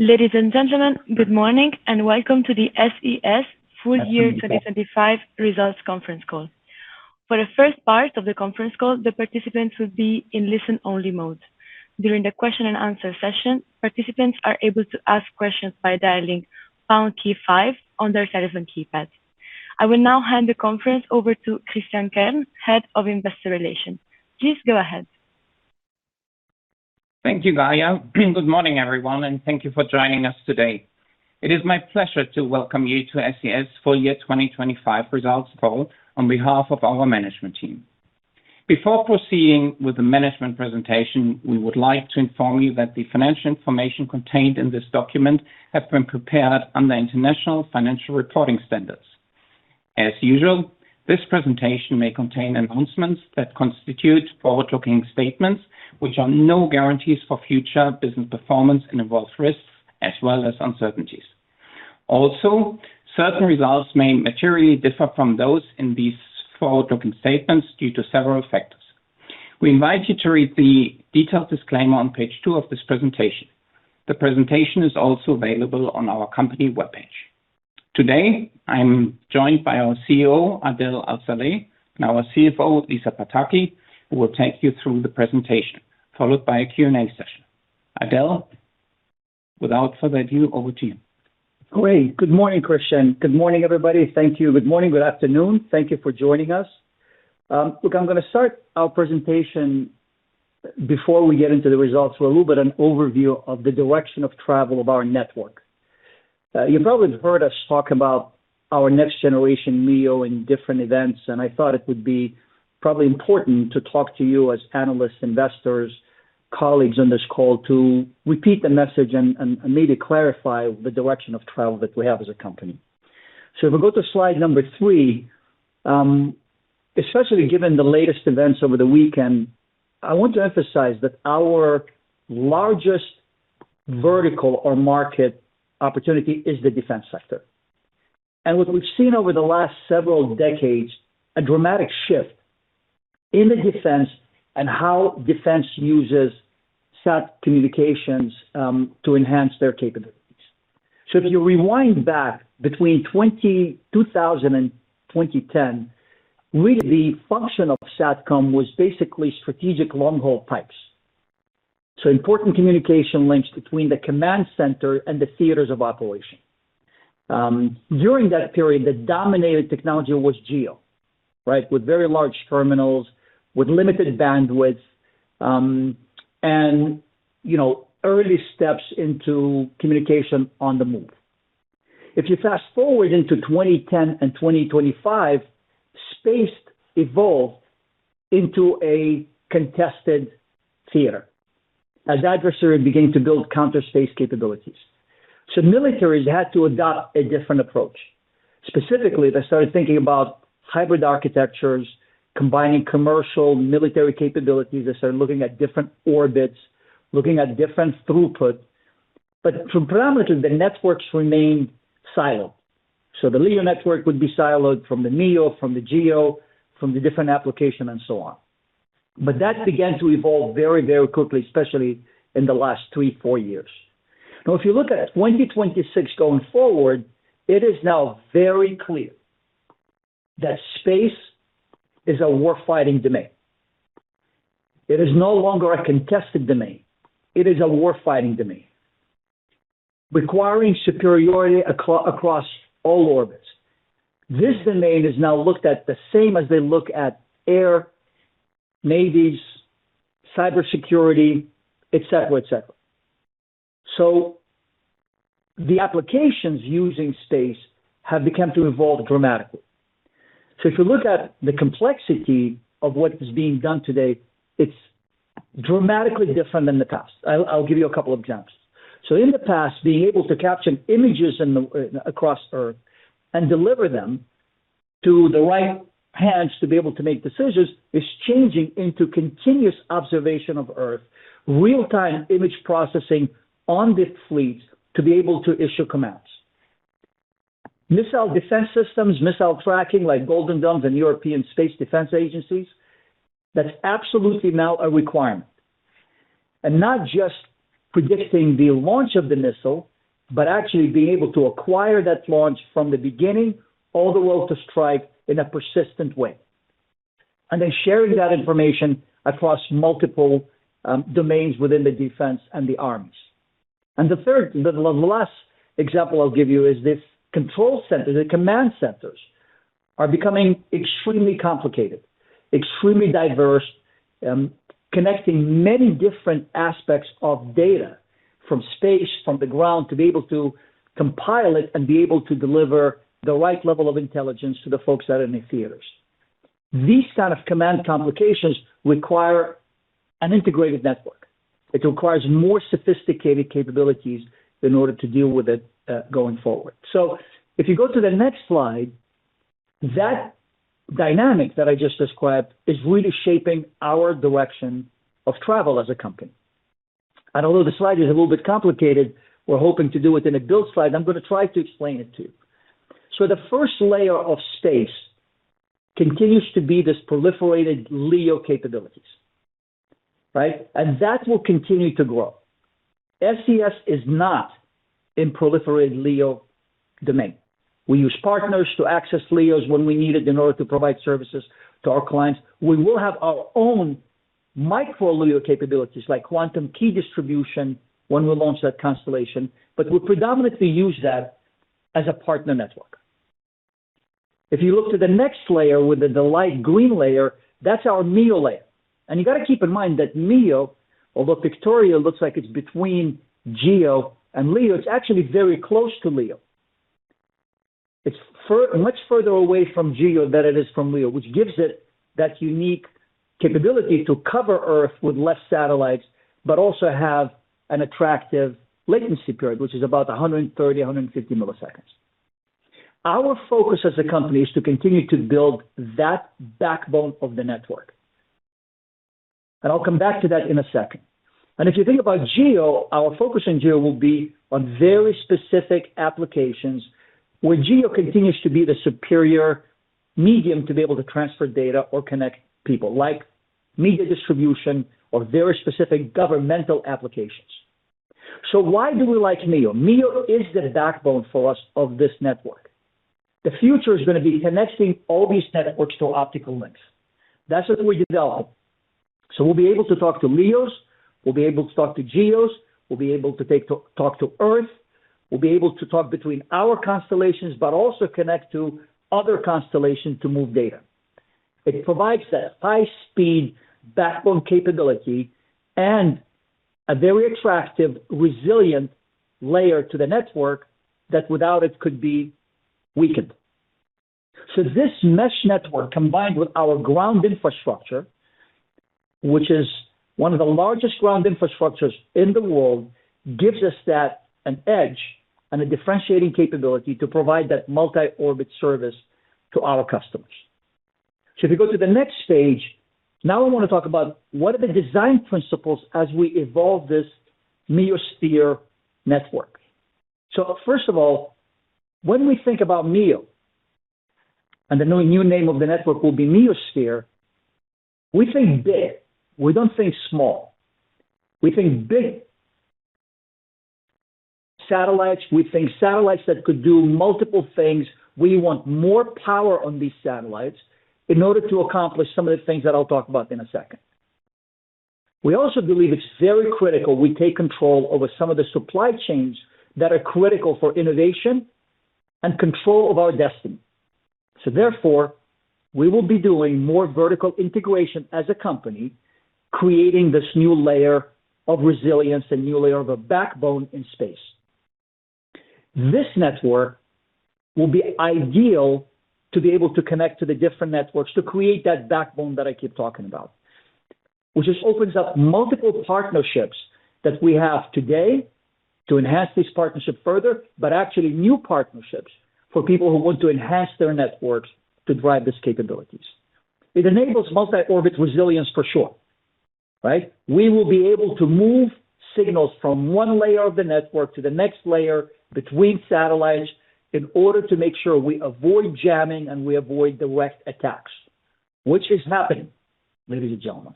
Ladies and gentlemen, good morning, and welcome to the SES full-year 2025 results conference call. For the first part of the conference call, the participants will be in listen-only mode. During the question-and-answer session, participants are able to ask questions by dialing pound key five on their telephone keypads. I will now hand the conference over to Christian Kern, Head of Investor Relations. Please go ahead. Thank you, Gaia. Good morning, everyone. Thank you for joining us today. It is my pleasure to welcome you to SES full-year 2025 results call on behalf of our management team. Before proceeding with the management presentation, we would like to inform you that the financial information contained in this document have been prepared under International Financial Reporting Standards. As usual, this presentation may contain announcements that constitute forward-looking statements, which are no guarantees for future business performance and involve risks as well as uncertainties. Certain results may materially differ from those in these forward-looking statements due to several factors. We invite you to read the detailed disclaimer on page two of this presentation. The presentation is also available on our company webpage. Today, I'm joined by our CEO, Adel Al-Saleh, and our CFO, Lisa Pataki, who will take you through the presentation, followed by a Q&A session. Adel, without further ado, over to you. Great. Good morning, Christian. Good morning, everybody. Thank you. Good morning, good afternoon. Thank you for joining us. Look, I'm gonna start our presentation before we get into the results with a little bit an overview of the direction of travel of our network. You probably have heard us talk about our next generation MEO in different events. I thought it would be probably important to talk to you as analysts, investors, colleagues on this call to repeat the message and maybe clarify the direction of travel that we have as a company. If we go to slide number three, especially given the latest events over the weekend, I want to emphasize that our largest vertical or market opportunity is the defense sector. What we've seen over the last several decades, a dramatic shift in the defense and how defense uses SAT Communications to enhance their capabilities. If you rewind back between 2000 and 2010, really the function of SATCOM was basically strategic long-haul pipes. Important communication links between the command center and the theaters of operation. During that period, the dominated technology was GEO, right? With very large terminals, with limited bandwidth, and, you know, early steps into communication on the move. If you fast-forward into 2010 and 2025, space evolved into a contested theater as adversaries began to build counter-space capabilities. Militaries had to adopt a different approach. Specifically, they started thinking about hybrid architectures, combining commercial military capabilities. They started looking at different orbits, looking at different throughput. Preliminarily, the networks remained siloed. The LEO network would be siloed from the MEO, from the GEO, from the different application and so on. That began to evolve very, very quickly, especially in the last three, four years. If you look at 2026 going forward, it is now very clear that space is a war-fighting domain. It is no longer a contested domain. It is a war-fighting domain requiring superiority across all orbits. This domain is now looked at the same as they look at air, navies, cybersecurity, etc. The applications using space have begun to evolve dramatically. If you look at the complexity of what is being done today, it's dramatically different than the past. I'll give you a couple of examples. In the past, being able to capture images across Earth and deliver them to the right hands to be able to make decisions is changing into continuous observation of Earth, real-time image processing on the fleet to be able to issue commands. Missile defense systems, missile tracking, like Iron Dome, the European Space Defence Agency, that's absolutely now a requirement. Not just predicting the launch of the missile, but actually being able to acquire that launch from the beginning all the way up to strike in a persistent way, and then sharing that information across multiple domains within the defense and the arms. The third, the last example I'll give you is this control center. The command centers are becoming extremely complicated, extremely diverse, connecting many different aspects of data from space, from the ground, to be able to compile it and be able to deliver the right level of intelligence to the folks that are in the theaters. These kind of command complications require an integrated network. It requires more sophisticated capabilities in order to deal with it, going forward. If you go to the next slide, that dynamic that I just described is really shaping our direction of travel as a company. Although the slide is a little bit complicated, we're hoping to do it in a build slide. I'm gonna try to explain it to you. The first layer of space continues to be this proliferated LEO capabilities, right? That will continue to grow. SES is not in proliferated LEO domain. We use partners to access LEOs when we need it in order to provide services to our clients. We will have our own micro LEO capabilities like Quantum Key Distribution when we launch that constellation, but we predominantly use that as a partner network. If you look to the next layer with the light green layer, that's our MEO layer. You got to keep in mind that MEO, although pictorial looks like it's between GEO and LEO, it's actually very close to LEO. It's much further away from GEO than it is from LEO, which gives it that unique capability to cover Earth with less satellites, but also have an attractive latency period, which is about 130 ms, 150 ms. Our focus as a company is to continue to build that backbone of the network. I'll come back to that in a second. If you think about GEO, our focus in GEO will be on very specific applications where GEO continues to be the superior medium to be able to transfer data or connect people, like Media distribution or very specific governmental applications. Why do we like MEO? MEO is the backbone for us of this network. The future is gonna be connecting all these networks to optical links. That's what we develop. We'll be able to talk to LEOs, we'll be able to talk to GEOs, we'll be able to talk to Earth. We'll be able to talk between our constellations, but also connect to other constellations to move data. It provides a high speed backbone capability and a very attractive, resilient layer to the network that without it could be weakened. This mesh network, combined with our ground infrastructure, which is one of the largest ground infrastructures in the world, gives us an edge and a differentiating capability to provide that multi-orbit service to our customers. If you go to the next stage, now I want to talk about what are the design principles as we evolve this meoSphere network. First of all, when we think about MEO, and the new name of the network will be meoSphere, we think big. We don't think small. We think big. Satellites. We think satellites that could do multiple things. We want more power on these satellites in order to accomplish some of the things that I'll talk about in a second. We also believe it's very critical we take control over some of the supply chains that are critical for innovation and control of our destiny. Therefore, we will be doing more vertical integration as a company, creating this new layer of resilience and new layer of a backbone in space. This network will be ideal to be able to connect to the different networks to create that backbone that I keep talking about. Which just opens up multiple partnerships that we have today to enhance this partnership further, but actually new partnerships for people who want to enhance their networks to drive these capabilities. It enables multi-orbit resilience for sure, right? We will be able to move signals from one layer of the network to the next layer between satellites in order to make sure we avoid jamming and we avoid direct attacks, which is happening, ladies and gentlemen.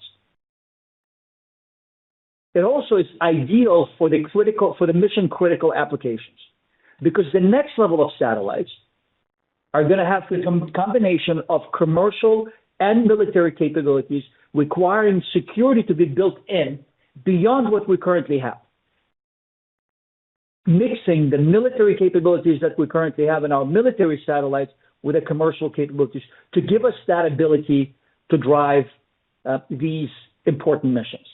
It also is ideal for the critical for the mission-critical applications, because the next level of satellites are gonna have to combination of commercial and military capabilities requiring security to be built in beyond what we currently have. Mixing the military capabilities that we currently have in our military satellites with the commercial capabilities to give us that ability to drive these important missions.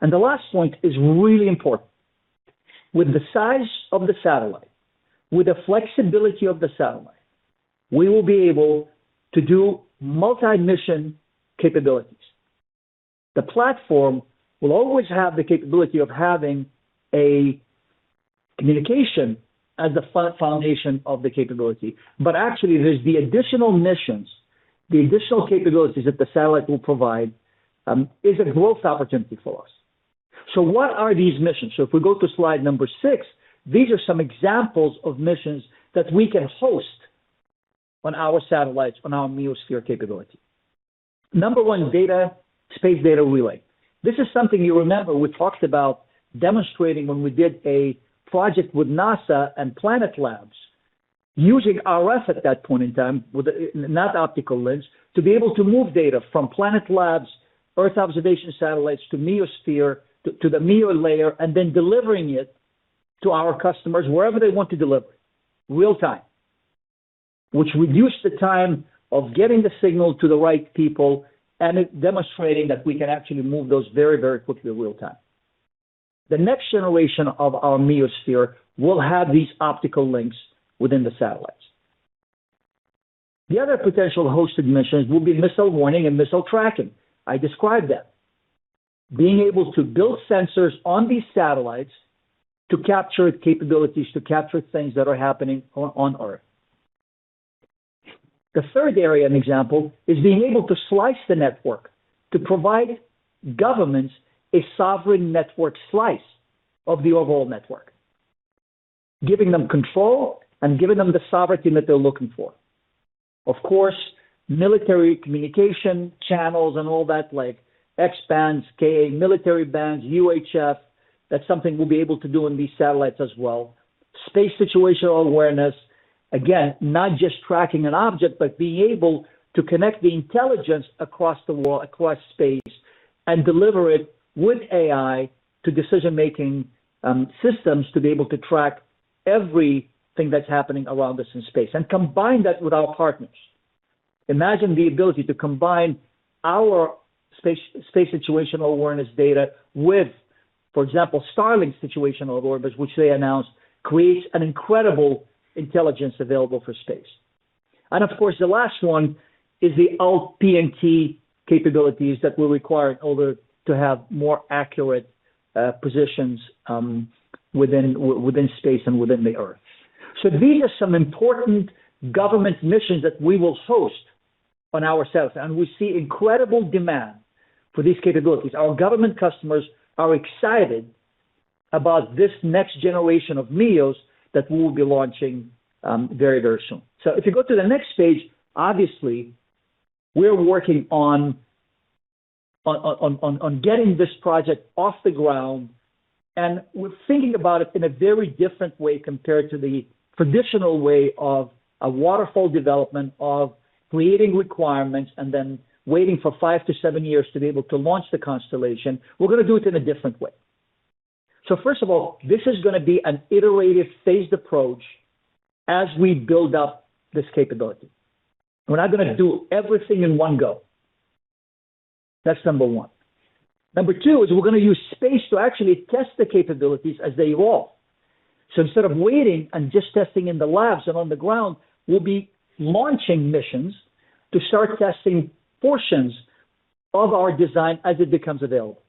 The last point is really important. With the size of the satellite, with the flexibility of the satellite, we will be able to do multi-mission capabilities. The platform will always have the capability of having a communication as the foundation of the capability. Actually, there's the additional missions. The additional capabilities that the satellite will provide is a growth opportunity for us. What are these missions? If we go to slide number six, these are some examples of missions that we can host on our satellites, on our meoSphere capability. Number one data, space data relay. This is something you remember we talked about demonstrating when we did a project with NASA and Planet Labs using RF at that point in time with, not optical links, to be able to move data from Planet Labs, Earth observation satellites to meoSphere, to the MEO layer, and then delivering it to our customers wherever they want to deliver real time. Which reduced the time of getting the signal to the right people and it demonstrating that we can actually move those very, very quickly in real time. The next generation of our meoSphere will have these optical links within the satellites. The other potential hosted missions will be missile warning and missile tracking. I described them. Being able to build sensors on these satellites to capture capabilities, to capture things that are happening on Earth. The third area and example is being able to slice the network to provide governments a sovereign network slice of the overall network. Giving them control and giving them the sovereignty that they're looking for. Of course, military communication channels and all that like X-bands, Ka-band military bands, UHF, that's something we'll be able to do on these satellites as well. Space situational awareness, again, not just tracking an object, but being able to connect the intelligence across space and deliver it with AI to decision-making systems to be able to track everything that's happening around us in space and combine that with our partners. Imagine the ability to combine our Space Situational Awareness data with, for example, Starlink situational awareness, which they announced creates an incredible intelligence available for space. Of course, the last one is the LPNT capabilities that we'll require in order to have more accurate positions within space and within the Earth. These are some important government missions that we will host on our satellite. We see incredible demand for these capabilities. Our government customers are excited about this next generation of MEOs that we will be launching, very, very soon. If you go to the next page, obviously, we're working on getting this project off the ground, and we're thinking about it in a very different way compared to the traditional way of a waterfall development of creating requirements and then waiting for five to seven years to be able to launch the constellation. We're gonna do it in a different way. First of all, this is gonna be an iterative phased approach as we build up this capability. We're not gonna do everything in one go. That's number one. Number two is we're gonna use space to actually test the capabilities as they evolve. Instead of waiting and just testing in the labs and on the ground, we'll be launching missions to start testing portions of our design as it becomes available.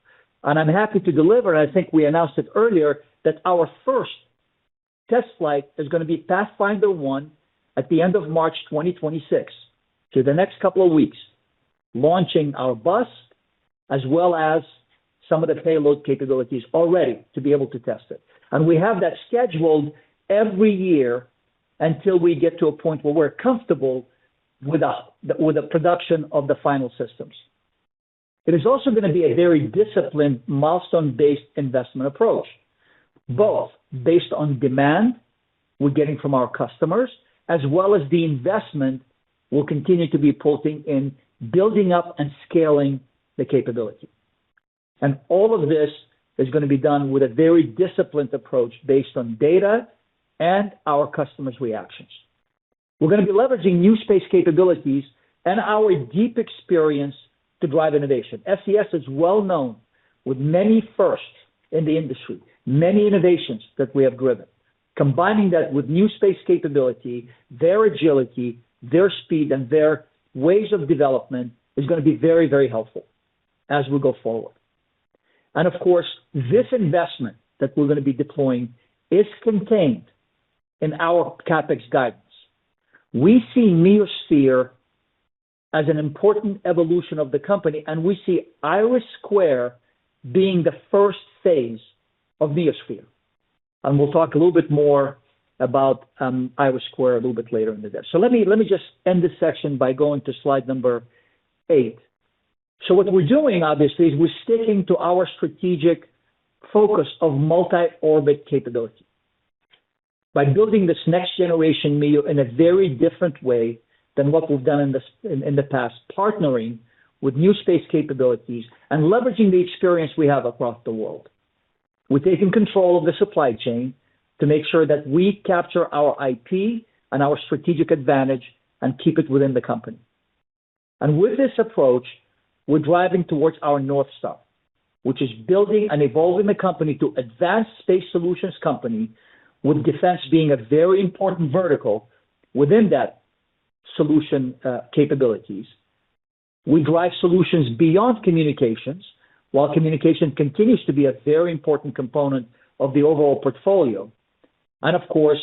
I'm happy to deliver, and I think we announced it earlier, that our first test flight is gonna be Pathfinder 1 at the end of March 2026. The next couple of weeks, launching our bus as well as some of the payload capabilities already to be able to test it. We have that scheduled every year until we get to a point where we're comfortable with the production of the final systems. It is also gonna be a very disciplined, milestone-based investment approach. Both based on demand we're getting from our customers, as well as the investment we'll continue to be putting in building up and scaling the capability. All of this is gonna be done with a very disciplined approach based on data and our customers' reactions. We're gonna be leveraging new space capabilities and our deep experience to drive innovation. SES is well known with many firsts in the industry, many innovations that we have driven. Combining that with new space capability, their agility, their speed, and their ways of development is gonna be very, very helpful as we go forward. Of course, this investment that we're gonna be deploying is contained in our CapEx guidance. We see meoSphere as an important evolution of the company, and we see IRIS² being the first phase of meoSphere. We'll talk a little bit more about IRIS² a little bit later in the day. Let me just end this section by going to slide number eight. What we're doing obviously is we're sticking to our strategic focus of multi-orbit capability. By building this next-generation MEO in a very different way than what we've done in the past, partnering with new space capabilities and leveraging the experience we have across the world. We're taking control of the supply chain to make sure that we capture our IP and our strategic advantage and keep it within the company. With this approach, we're driving towards our NorthStar, which is building and evolving the company to advanced space solutions company with defense being a very important vertical within that solution capabilities. We drive solutions beyond communications, while communication continues to be a very important component of the overall portfolio. Of course,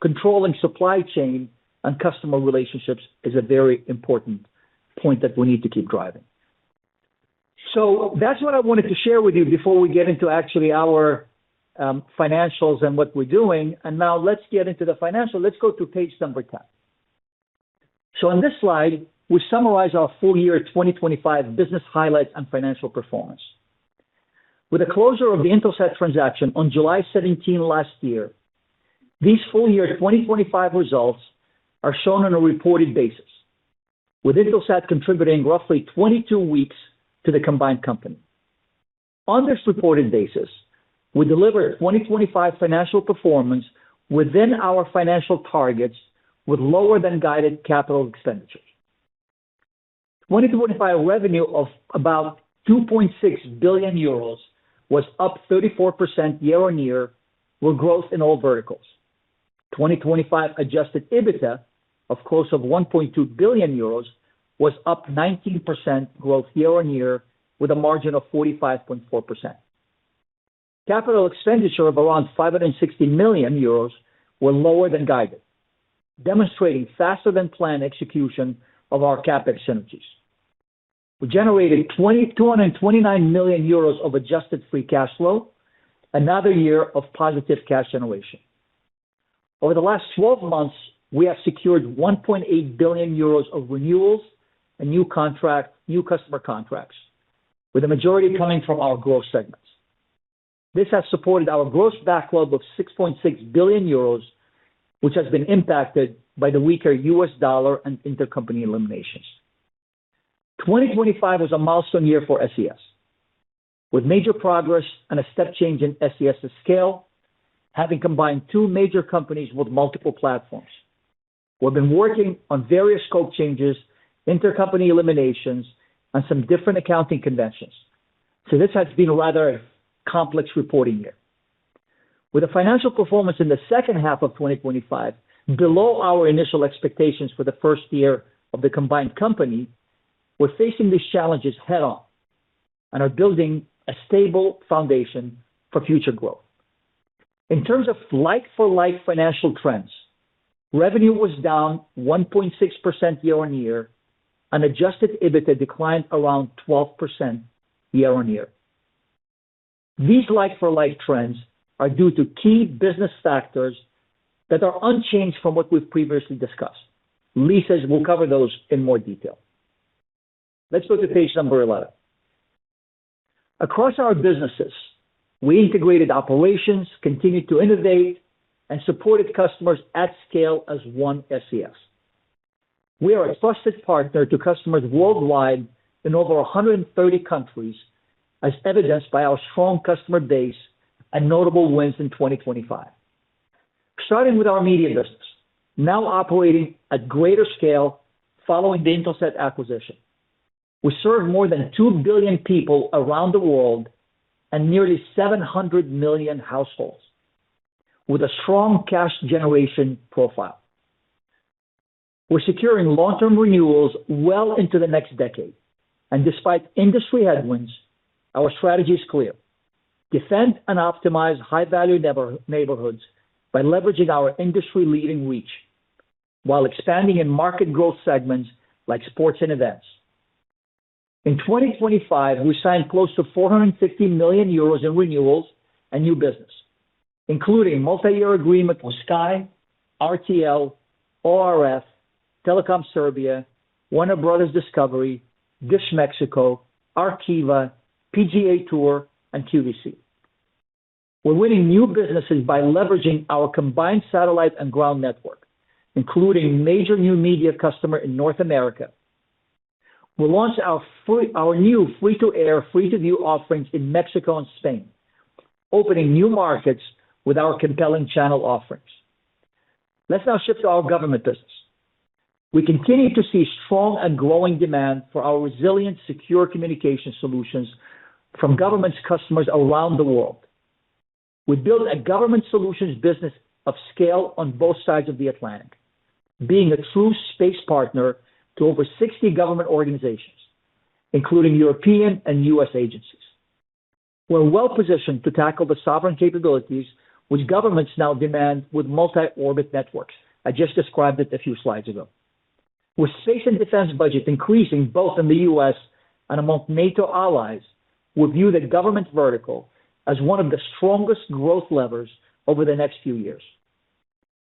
controlling supply chain and customer relationships is a very important point that we need to keep driving. That's what I wanted to share with you before we get into actually our financials and what we're doing. Now let's get into the financial. Let's go to page number 10. On this slide, we summarize our full year 2025 business highlights and financial performance. With the closure of the Intelsat transaction on July 17 last year, these full year 2025 results are shown on a reported basis, with Intelsat contributing roughly 22 weeks to the combined company. On this reported basis, we delivered 2025 financial performance within our financial targets with lower than guided capital expenditures. 2025 revenue of about 2.6 billion euros was up 34% year-on-year with growth in all verticals. 2025 Adjusted EBITDA of course of 1.2 billion euros was up 19% growth year-on-year with a margin of 45.4%. Capital expenditure of around 560 million euros were lower than guided, demonstrating faster than planned execution of our CapEx synergies. We generated 229 million euros of adjusted free cash flow, another year of positive cash generation. Over the last 12 months, we have secured 1.8 billion euros of renewals and new customer contracts, with the majority coming from our growth segments. This has supported our gross backlog of 6.6 billion euros, which has been impacted by the weaker U.S. dollar and intercompany eliminations. 2025 was a milestone year for SES, with major progress and a step change in SES' scale, having combined two major companies with multiple platforms. We've been working on various scope changes, intercompany eliminations, and some different accounting conventions. This has been a rather complex reporting year. With the financial performance in the second half of 2025 below our initial expectations for the first year of the combined company, we're facing these challenges head-on and are building a stable foundation for future growth. In terms of like-for-like financial trends, revenue was down 1.6% year-on-year, and Adjusted EBITDA declined around 12% year-on-year. These like-for-like trends are due to key business factors that are unchanged from what we've previously discussed. Lisa will cover those in more detail. Let's go to page number 11. Across our businesses, we integrated operations, continued to innovate, and supported customers at scale as one SES. We are a trusted partner to customers worldwide in over 130 countries, as evidenced by our strong customer base and notable wins in 2025. Starting with our Media business, now operating at greater scale following the Intelsat acquisition. We serve more than 2 billion people around the world and nearly 700 million households with a strong cash generation profile. We're securing long-term renewals well into the next decade. Despite industry headwinds, our strategy is clear: Defend and optimize high-value neighborhoods by leveraging our industry-leading reach while expanding in market growth segments like sports and events. In 2025, we signed close to 450 million euros in renewals and new business, including multi-year agreement with Sky, RTL, ORF, Telekom Srbija, Warner Bros. Discovery, Dish Mexico, Arqiva, PGA TOUR, and QVC. We're winning new businesses by leveraging our combined satellite and ground network, including major new Media customer in North America. We launched our new free-to-air, free-to-view offerings in Mexico and Spain, opening new markets with our compelling channel offerings. Let's now shift to our Government business. We continue to see strong and growing demand for our resilient, secure communication solutions from governments customers around the world. We build a Government solutions business of scale on both sides of the Atlantic, being a true space partner to over 60 government organizations, including European and U.S. agencies. We're well-positioned to tackle the sovereign capabilities which governments now demand with multi-orbit networks. I just described it a few slides ago. With Space & Defense budget increasing both in the U.S. and amongst NATO allies, we view the government vertical as one of the strongest growth levers over the next few years.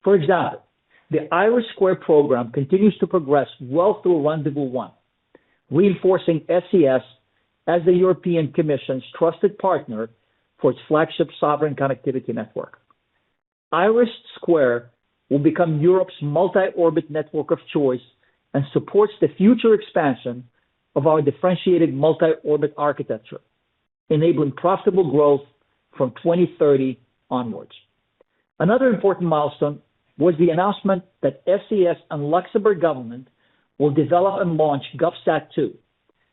For example, the IRIS² program continues to progress well through Rendez‑Vous 1, reinforcing SES as the European Commission's trusted partner for its flagship sovereign connectivity network. IRIS² will become Europe's multi-orbit network of choice and supports the future expansion of our differentiated multi-orbit architecture, enabling profitable growth from 2030 onwards. Another important milestone was the announcement that SES and Luxembourg government will develop and launch GovSat-2,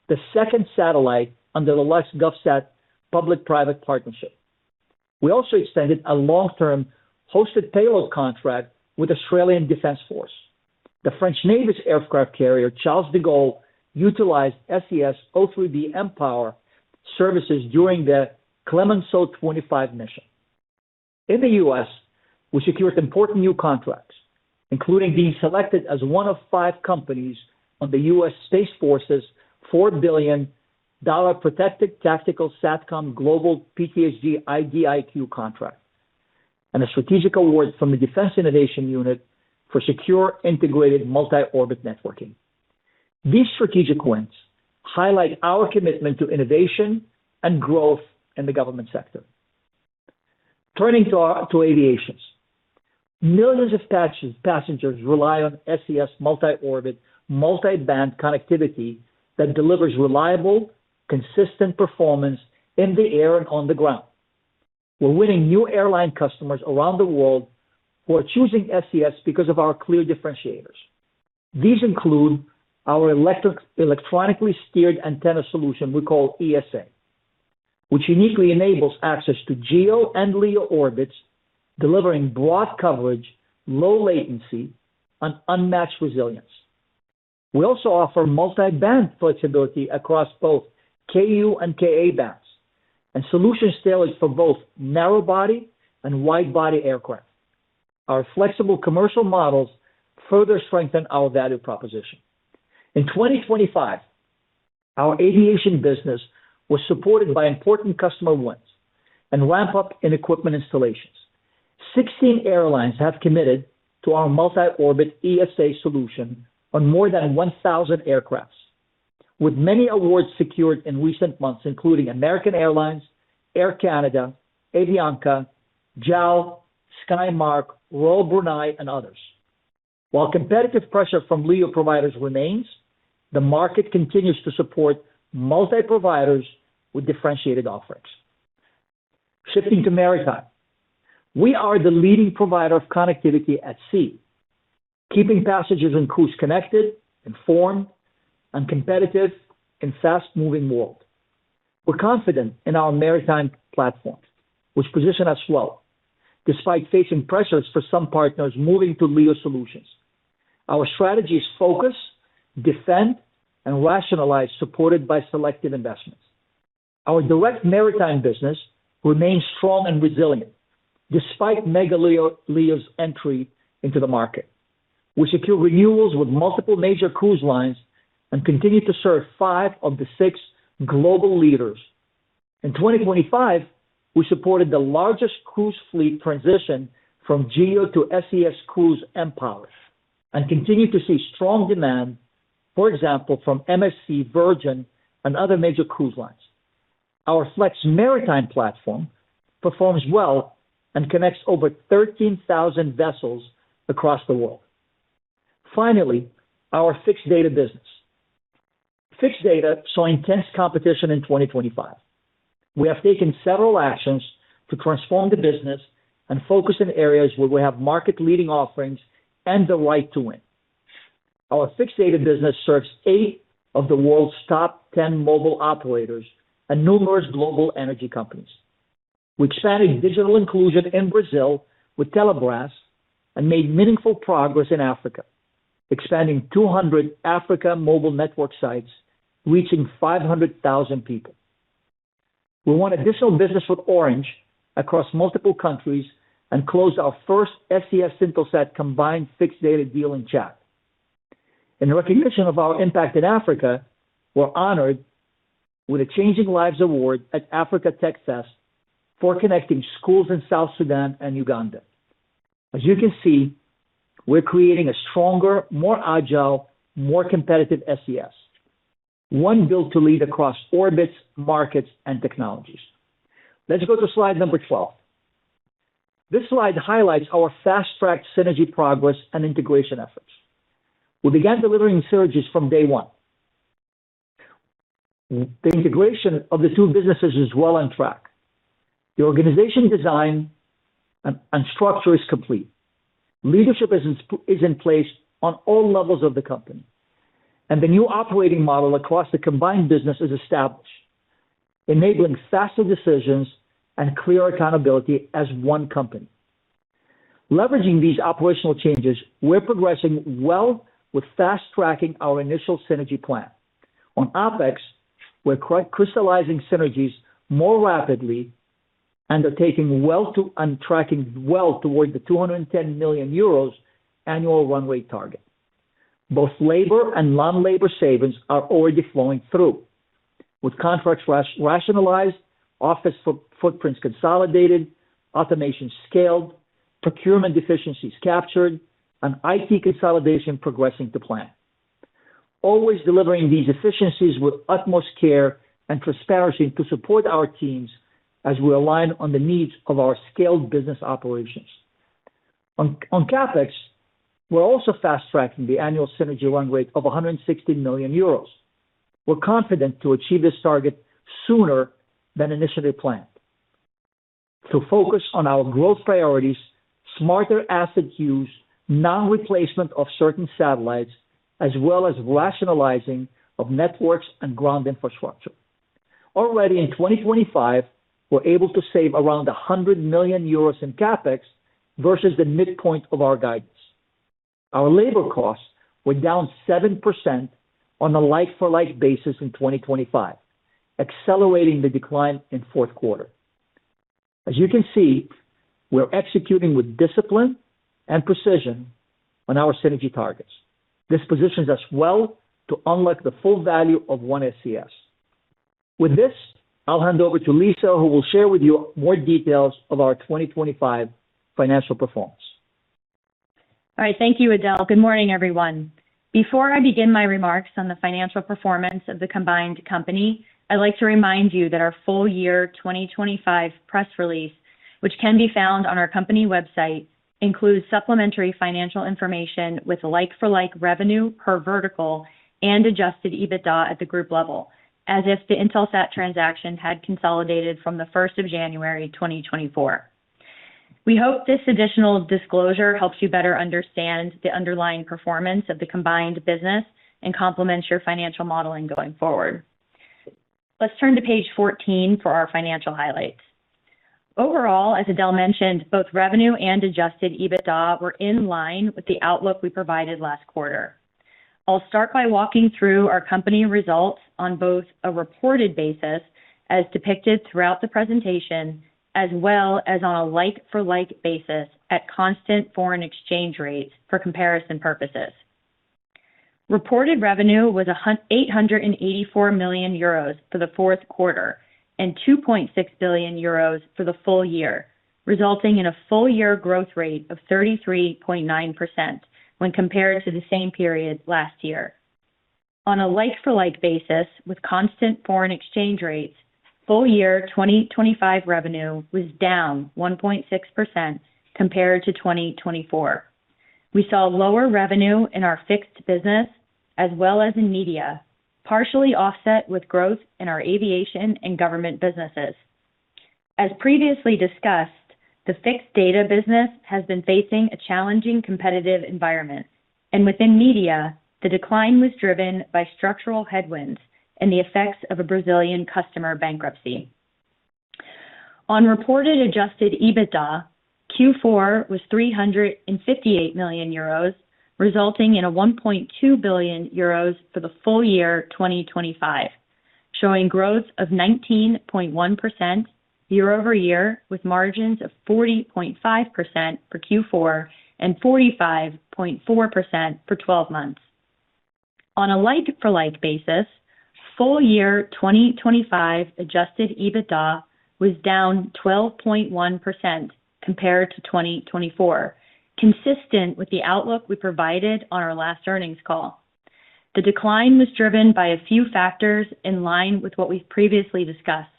the second satellite under the LuxGovSat public-private partnership. We also extended a long-term hosted payload contract with Australian Defence Force. The French Navy's aircraft carrier, Charles de Gaulle, utilized SES O3b mPOWER services during the Clemenceau 25 mission. In the U.S., we secured important new contracts, including being selected as one of five companies on the U.S. Space Force's $4 billion Protected Tactical SATCOM Global PTS-G IDIQ contract, and a strategic award from the Defense Innovation Unit for secure integrated multi-orbit networking. These strategic wins highlight our commitment to innovation and growth in the government sector. Turning to Aviation. Millions of passengers rely on SES multi-orbit, multi-band connectivity that delivers reliable, consistent performance in the air and on the ground. We're winning new airline customers around the world who are choosing SES because of our clear differentiators. These include our electronically steered antenna solution we call ESA, which uniquely enables access to GEO and LEO orbits, delivering broad coverage, low latency, and unmatched resilience. We also offer multi-band flexibility across both Ku and Ka-Bands, and solutions tailored for both narrow body and wide body aircraft. Our flexible commercial models further strengthen our value proposition. In 2025, our Aviation business was supported by important customer wins and ramp up in equipment installations. 16 airlines have committed to our multi-orbit ESA solution on more than 1,000 aircrafts, with many awards secured in recent months, including American Airlines, Air Canada, Avianca, JAL, Skymark, Royal Brunei, and others. While competitive pressure from LEO providers remains, the market continues to support multi-providers with differentiated offerings. Shifting to Maritime. We are the leading provider of connectivity at sea, keeping passengers and crews connected, informed, in a competitive and fast-moving world. We're confident in our Maritime platform, which position us well despite facing pressures for some partners moving to LEO solutions. Our strategy is focus, defend, and rationalize, supported by selective investments. Our direct Maritime business remains strong and resilient despite mega LEO's entry into the market. We secure renewals with multiple major cruise lines and continue to serve five of the six global leaders. In 2025, we supported the largest cruise fleet transition from GEO to SES Cruise mPOWER and continue to see strong demand, for example, from MSC, Virgin, and other major cruise lines. Our FlexMaritime platform performs well and connects over 13,000 vessels across the world. Finally, our Fixed Data business. Fixed Data saw intense competition in 2025. We have taken several actions to transform the business and focus in areas where we have market-leading offerings and the right to win. Our Fixed Data business serves eight of the world's top 10 mobile operators and numerous global energy companies. We expanded digital inclusion in Brazil with Telebras and made meaningful progress in Africa, expanding 200 Africa mobile network sites reaching 500,000 people. We won additional business with Orange across multiple countries and closed our first SES-Intelsat combined Fixed Data deal in Chad. In recognition of our impact in Africa, we're honored with a Changing Lives Award at Africa Tech Festival for connecting schools in South Sudan and Uganda. As you can see, we're creating a stronger, more agile, more competitive SES, one built to lead across orbits, markets, and technologies. Let's go to slide number 12. This slide highlights our fast-tracked synergy progress and integration efforts. We began delivering synergies from day one. The integration of the two businesses is well on track. The organization design and structure is complete. Leadership is in place on all levels of the company, and the new operating model across the combined business is established, enabling faster decisions and clear accountability as one company. Leveraging these operational changes, we're progressing well with fast-tracking our initial synergy plan. On OpEx, we're crystallizing synergies more rapidly and are tracking well toward the 210 million euros annual run rate target. Both labor and non-labor savings are already flowing through, with contracts rationalized, office footprints consolidated, automation scaled, procurement efficiencies captured, and IT consolidation progressing to plan. Always delivering these efficiencies with utmost care and transparency to support our teams as we align on the needs of our scaled business operations. On CapEx, we're also fast-tracking the annual synergy run rate of 160 million euros. We're confident to achieve this target sooner than initially planned. To focus on our growth priorities, smarter asset use, non-replacement of certain satellites, as well as rationalizing of networks and ground infrastructure. Already in 2025, we're able to save around 100 million euros in CapEx versus the midpoint of our guidance. Our labor costs were down 7% on a like-for-like basis in 2025, accelerating the decline in fourth quarter. As you can see, we're executing with discipline and precision on our synergy targets. This positions us well to unlock the full value of one SES. With this, I'll hand over to Lisa, who will share with you more details of our 2025 financial performance. All right. Thank you, Adel. Good morning, everyone. Before I begin my remarks on the financial performance of the combined company, I'd like to remind you that our full year 2025 press release, which can be found on our company website, includes supplementary financial information with like-for-like revenue per vertical and Adjusted EBITDA at the group level, as if the Intelsat transaction had consolidated from the first of January, 2024. We hope this additional disclosure helps you better understand the underlying performance of the combined business and complements your financial modeling going forward. Let's turn to page 14 for our financial highlights. Overall, as Adel mentioned, both revenue and Adjusted EBITDA were in line with the outlook we provided last quarter. I'll start by walking through our company results on both a reported basis as depicted throughout the presentation, as well as on a like-for-like basis at constant foreign exchange rates for comparison purposes. Reported revenue was 884 million euros for the fourth quarter and 2.6 billion euros for the full year, resulting in a full year growth rate of 33.9% when compared to the same period last year. On a like-for-like basis with constant foreign exchange rates, full year 2025 revenue was down 1.6% compared to 2024. We saw lower revenue in our Fixed business as well as in Media, partially offset with growth in our Aviation and Government businesses. As previously discussed, the Fixed Data business has been facing a challenging competitive environment, and within Media, the decline was driven by structural headwinds and the effects of a Brazilian customer bankruptcy. On reported Adjusted EBITDA, Q4 was 358 million euros, resulting in 1.2 billion euros for the full year 2025, showing growth of 19.1% year-over-year, with margins of 40.5% for Q4 and 45.4% for 12 months. On a like-for-like basis, full year 2025 Adjusted EBITDA was down 12.1% compared to 2024, consistent with the outlook we provided on our last earnings call. The decline was driven by a few factors in line with what we've previously discussed.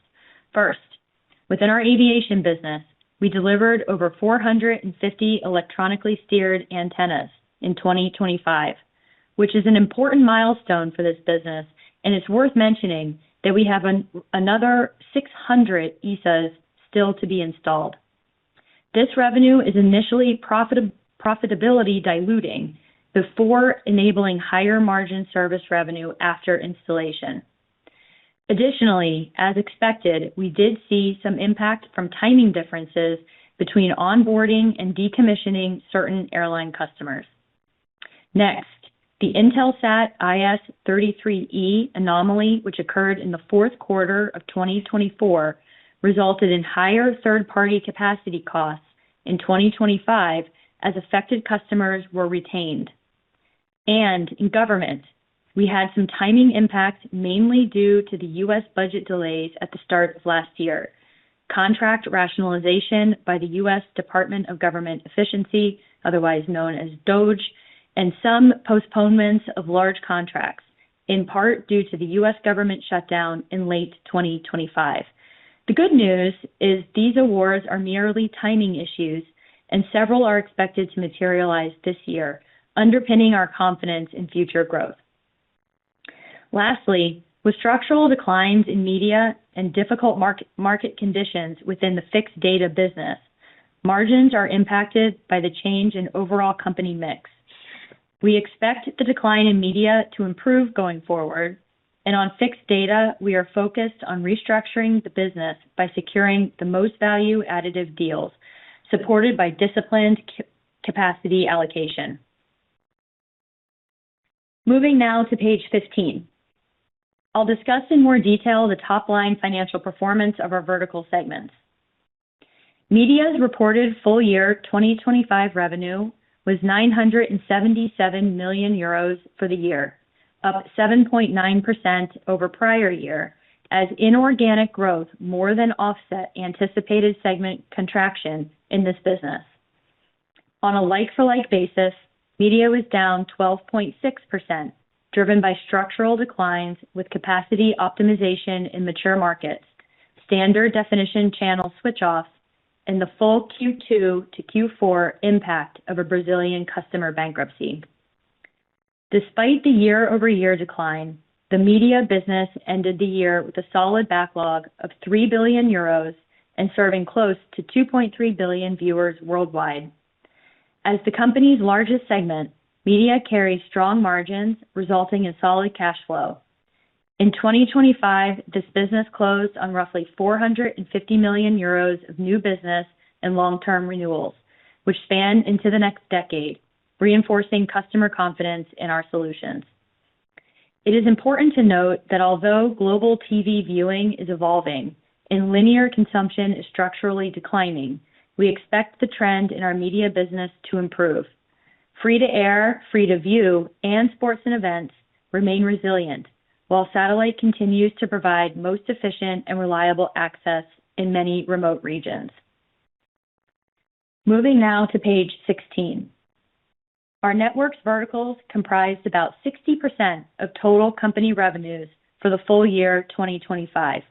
Within our Aviation business, we delivered over 450 electronically steered antennas in 2025, which is an important milestone for this business, and it's worth mentioning that we have another 600 ESAs still to be installed. This revenue is initially profitability diluting before enabling higher margin service revenue after installation. Additionally, as expected, we did see some impact from timing differences between onBoarding and decommissioning certain airline customers. The Intelsat IS-33e anomaly, which occurred in Q4 2024, resulted in higher third-party capacity costs in 2025 as affected customers were retained. In government, we had some timing impacts, mainly due to the U.S. budget delays at the start of last year. Contract rationalization by the U.S. Department of Government Efficiency, otherwise known as DOGE, and some postponements of large contracts, in part due to the U.S. government shutdown in late 2025. The good news is these awards are merely timing issues, several are expected to materialize this year, underpinning our confidence in future growth. Lastly, with structural declines in Media and difficult mark-market conditions within the Fixed Data business, margins are impacted by the change in overall company mix. We expect the decline in Media to improve going forward, on Fixed Data, we are focused on restructuring the business by securing the most value additive deals supported by disciplined capacity allocation. Moving now to page 15, I'll discuss in more detail the top-line financial performance of our vertical segments. Media's reported full year 2025 revenue was 977 million euros for the year, up 7.9% over prior year as inorganic growth more than offset anticipated segment contraction in this business. On a like-for-like basis, Media was down 12.6%, driven by structural declines with capacity optimization in mature markets, standard definition channel switch offs, and the full Q2 to Q4 impact of a Brazilian customer bankruptcy. Despite the year-over-year decline, the Media business ended the year with a solid backlog of 3 billion euros and serving close to 2.3 billion viewers worldwide. As the company's largest segment, Media carries strong margins, resulting in solid cash flow. In 2025, this business closed on roughly 450 million euros of new business and long-term renewals, which span into the next decade, reinforcing customer confidence in our solutions. It is important to note that although global TV viewing is evolving and linear consumption is structurally declining, we expect the trend in our Media business to improve. Free-to-air, free-to-view, and sports and events remain resilient, while satellite continues to provide most efficient and reliable access in many remote regions. Moving now to page 16. Our networks verticals comprised about 60% of total company revenues for the full year 2025,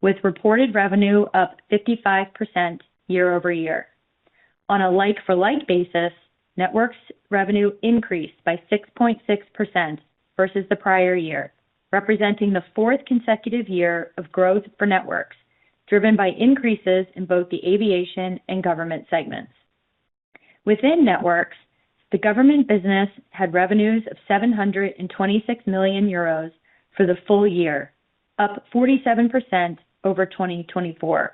with reported revenue up 55% year-over-year. On a like-for-like basis, networks revenue increased by 6.6% versus the prior year, representing the fourth consecutive year of growth for networks, driven by increases in both the Aviation and Government segments. Within networks, the Government business had revenues of 726 million euros for the full year, up 47% over 2024.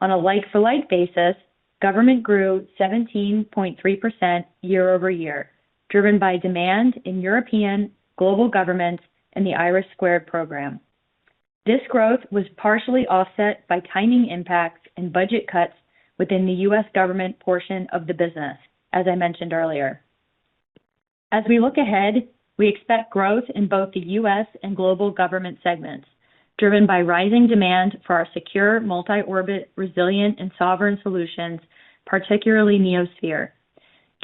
On a like-for-like basis, government grew 17.3% year-over-year, driven by demand in European, global governments, and the IRIS² program. This growth was partially offset by timing impacts and budget cuts within the U.S. government portion of the business, as I mentioned earlier. As we look ahead, we expect growth in both the U.S. and global government segments, driven by rising demand for our secure multi-orbit, resilient, and sovereign solutions, particularly neosphere.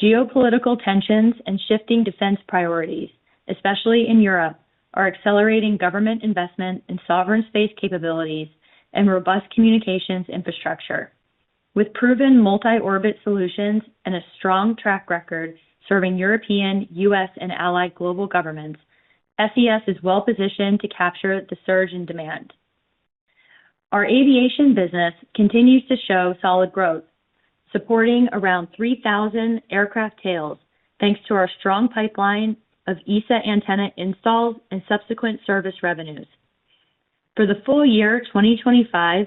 Geopolitical tensions and shifting defense priorities, especially in Europe, are accelerating government investment in sovereign space capabilities and robust communications infrastructure. With proven multi-orbit solutions and a strong track record serving European, U.S., and allied global governments, SES is well-positioned to capture the surge in demand. Our Aviation business continues to show solid growth, supporting around 3,000 aircraft tails, thanks to our strong pipeline of ESA antenna installs and subsequent service revenues. For the full year 2025,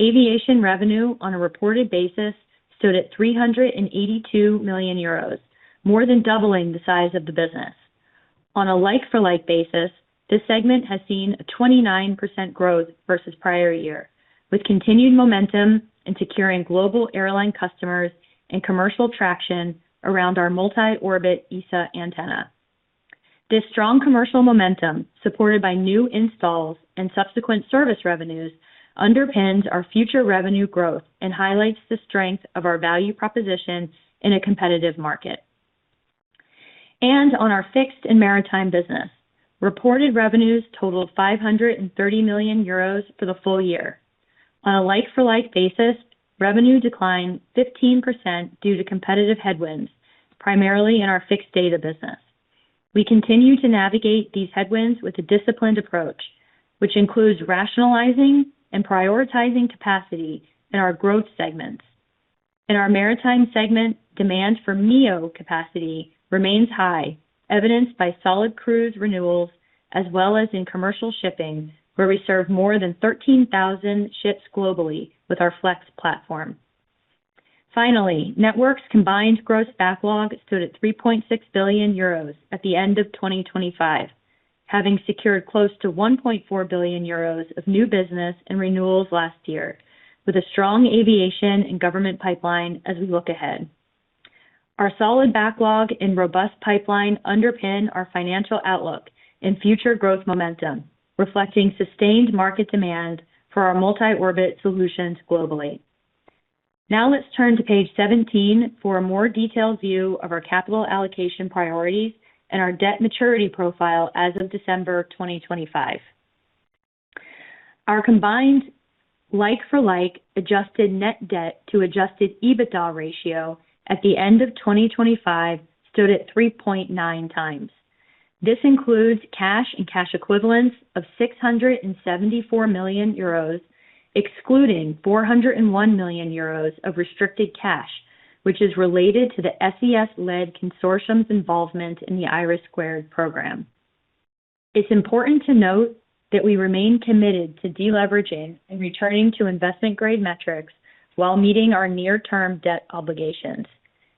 Aviation revenue on a reported basis stood at 382 million euros, more than doubling the size of the business. On a like-for-like basis, this segment has seen a 29% growth versus prior year, with continued momentum in securing global airline customers and commercial traction around our multi-orbit ESA antenna. This strong commercial momentum, supported by new installs and subsequent service revenues, underpins our future revenue growth and highlights the strength of our value proposition in a competitive market. On our Fixed and Maritime business, reported revenues totaled 530 million euros for the full year. On a like-for-like basis, revenue declined 15% due to competitive headwinds, primarily in our Fixed Data business. We continue to navigate these headwinds with a disciplined approach, which includes rationalizing and prioritizing capacity in our growth segments. In our Maritime segment, demand for MEO capacity remains high, evidenced by solid cruise renewals as well as in commercial shipping, where we serve more than 13,000 ships globally with our Flex platform. Networks combined gross backlog stood at 3.6 billion euros at the end of 2025, having secured close to 1.4 billion euros of new business and renewals last year, with a strong Aviation and Government pipeline as we look ahead. Our solid backlog and robust pipeline underpin our financial outlook and future growth momentum, reflecting sustained market demand for our multi-orbit solutions globally. Let's turn to page 17 for a more detailed view of our capital allocation priorities and our debt maturity profile as of December 2025. Our combined like-for-like adjusted net debt to Adjusted EBITDA ratio at the end of 2025 stood at 3.9x. This includes cash and cash equivalents of 674 million euros, excluding 401 million euros of restricted cash, which is related to the SES-led consortium's involvement in the IRIS² program. It's important to note that we remain committed to deleveraging and returning to investment-grade metrics while meeting our near-term debt obligations.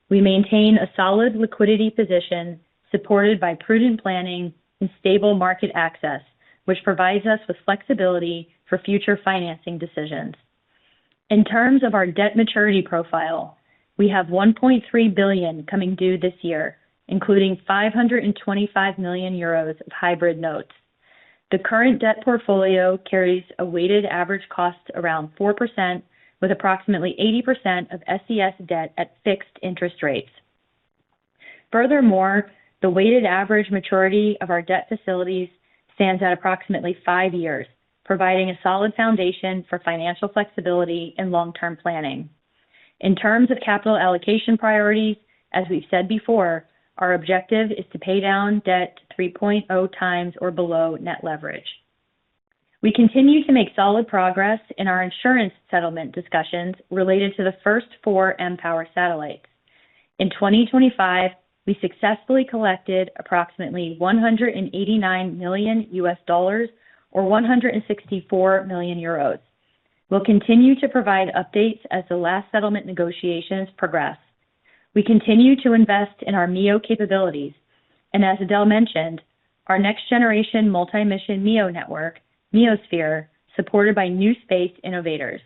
We maintain a solid liquidity position supported by prudent planning and stable market access, which provides us with flexibility for future financing decisions. In terms of our debt maturity profile, we have 1.3 billion coming due this year, including 525 million euros of hybrid notes. The current debt portfolio carries a weighted average cost around 4%, with approximately 80% of SES debt at Fixed interest rates. Furthermore, the weighted average maturity of our debt facilities stands at approximately five years, providing a solid foundation for financial flexibility and long-term planning. In terms of capital allocation priorities, as we've said before, our objective is to pay down debt to 3.0x or below net leverage. We continue to make solid progress in our insurance settlement discussions related to the first four mPOWER satellites. In 2025, we successfully collected approximately $189 million or 164 million euros. We'll continue to provide updates as the last settlement negotiations progress. We continue to invest in our MEO capabilities, and as Adel mentioned, our next-generation multi-mission MEO network, neosphere, supported by new space innovators.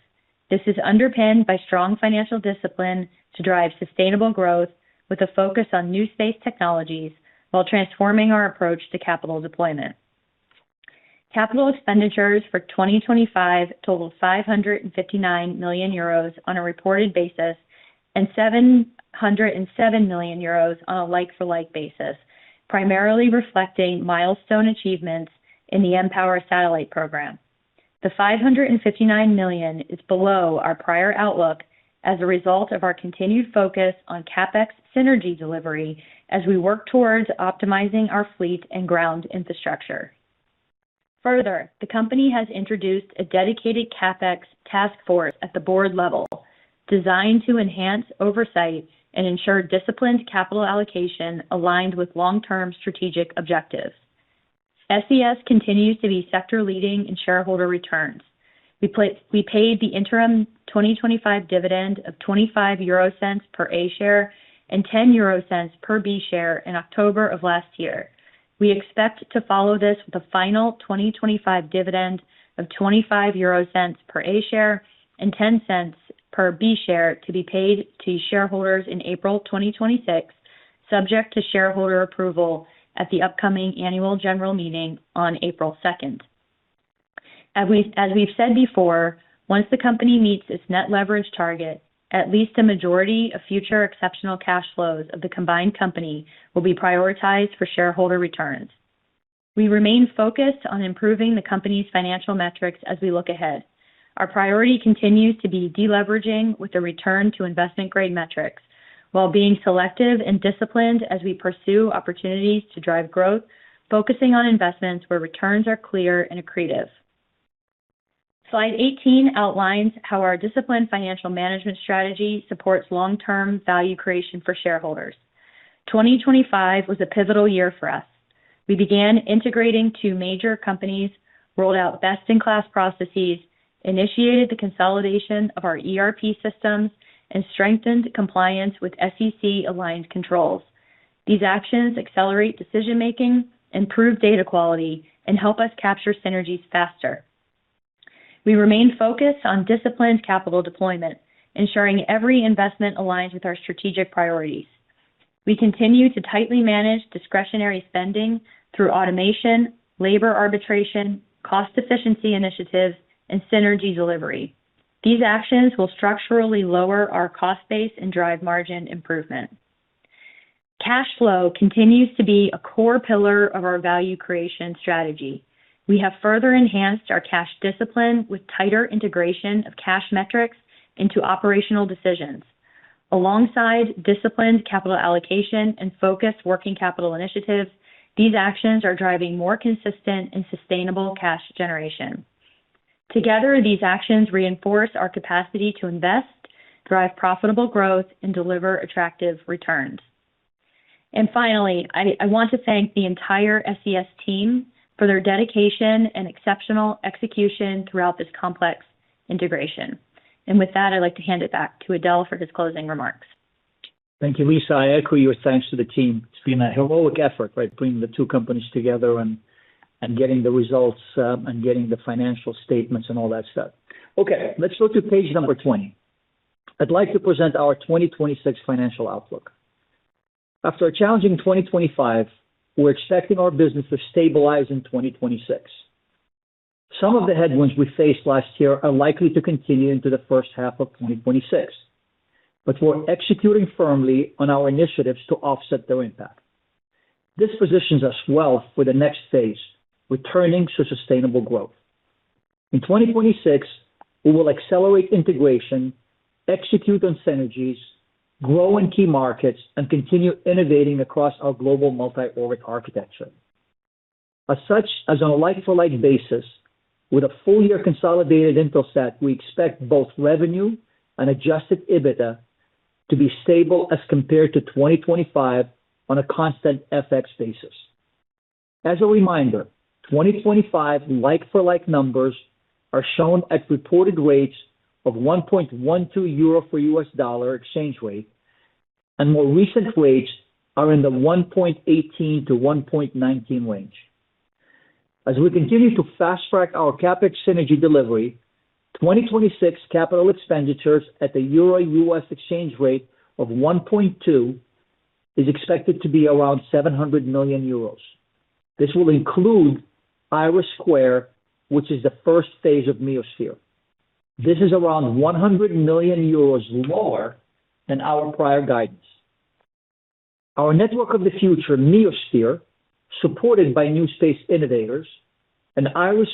This is underpinned by strong financial discipline to drive sustainable growth with a focus on new space technologies while transforming our approach to capital deployment. Capital expenditures for 2025 totaled 559 million euros on a reported basis and 707 million euros on a like-for-like basis, primarily reflecting milestone achievements in the mPOWER satellite program. The 559 million is below our prior outlook as a result of our continued focus on CapEx synergy delivery as we work towards optimizing our fleet and ground infrastructure. Further, the company has introduced a dedicated CapEx task force at the Board level designed to enhance oversight and ensure disciplined capital allocation aligned with long-term strategic objectives. SES continues to be sector leading in shareholder returns. We paid the interim 2025 dividend of 0.25 per A-share and 0.10 per B-share in October of last year. We expect to follow this with the final 2025 dividend of 0.25 per A-share and 0.10 per B-share to be paid to shareholders in April 2026, subject to shareholder approval at the upcoming annual general meeting on April 2nd. As we've said before, once the company meets its net leverage target, at least a majority of future exceptional cash flows of the combined company will be prioritized for shareholder returns. We remain focused on improving the company's financial metrics as we look ahead. Our priority continues to be deleveraging with a return to investment-grade metrics while being selective and disciplined as we pursue opportunities to drive growth, focusing on investments where returns are clear and accretive. Slide 18 outlines how our disciplined financial management strategy supports long-term value creation for shareholders. 2025 was a pivotal year for us. We began integrating two major companies, rolled out best-in-class processes, initiated the consolidation of our ERP systems, and strengthened compliance with SEC-aligned controls. These actions accelerate decision-making, improve data quality, and help us capture synergies faster. We remain focused on disciplined capital deployment, ensuring every investment aligns with our strategic priorities. We continue to tightly manage discretionary spending through automation, labor arbitration, cost efficiency initiatives, and synergy delivery. These actions will structurally lower our cost base and drive margin improvement. Cash flow continues to be a core pillar of our value creation strategy. We have further enhanced our cash discipline with tighter integration of cash metrics into operational decisions. Alongside disciplined capital allocation and focused working capital initiatives, these actions are driving more consistent and sustainable cash generation. Together, these actions reinforce our capacity to invest, drive profitable growth, and deliver attractive returns. Finally, I want to thank the entire SES team for their dedication and exceptional execution throughout this complex integration. With that, I'd like to hand it back to Adel for his closing remarks. Thank you, Lisa. I echo your thanks to the team. It's been a heroic effort, right? Bringing the two companies together and getting the results and getting the financial statements and all that stuff. Okay. Let's go to page number 20. I'd like to present our 2026 financial outlook. After a challenging 2025, we're expecting our business to stabilize in 2026. Some of the headwinds we faced last year are likely to continue into the first half of 2026. We're executing firmly on our initiatives to offset their impact. This positions us well for the next phase, returning to sustainable growth. In 2026, we will accelerate integration, execute on synergies, grow in key markets, and continue innovating across our global multi-orbit architecture. As such, as on a like for like basis, with a full year consolidated info set, we expect both revenue and Adjusted EBITDA to be stable as compared to 2025 on a constant FX basis. As a reminder, 2025 like for like numbers are shown at reported rates of 1.12 euro for U.S. dollar exchange rate, and more recent rates are in the 1.18-1.19 range. As we continue to fast-track our CapEx synergy delivery, 2026 capital expenditures at the Euro/U.S. exchange rate of 1.2 is expected to be around 700 million euros. This will include IRIS², which is the first phase of neosphere. This is around 100 million euros lower than our prior guidance. Our network of the future, neosphere, supported by new space innovators and IRIS²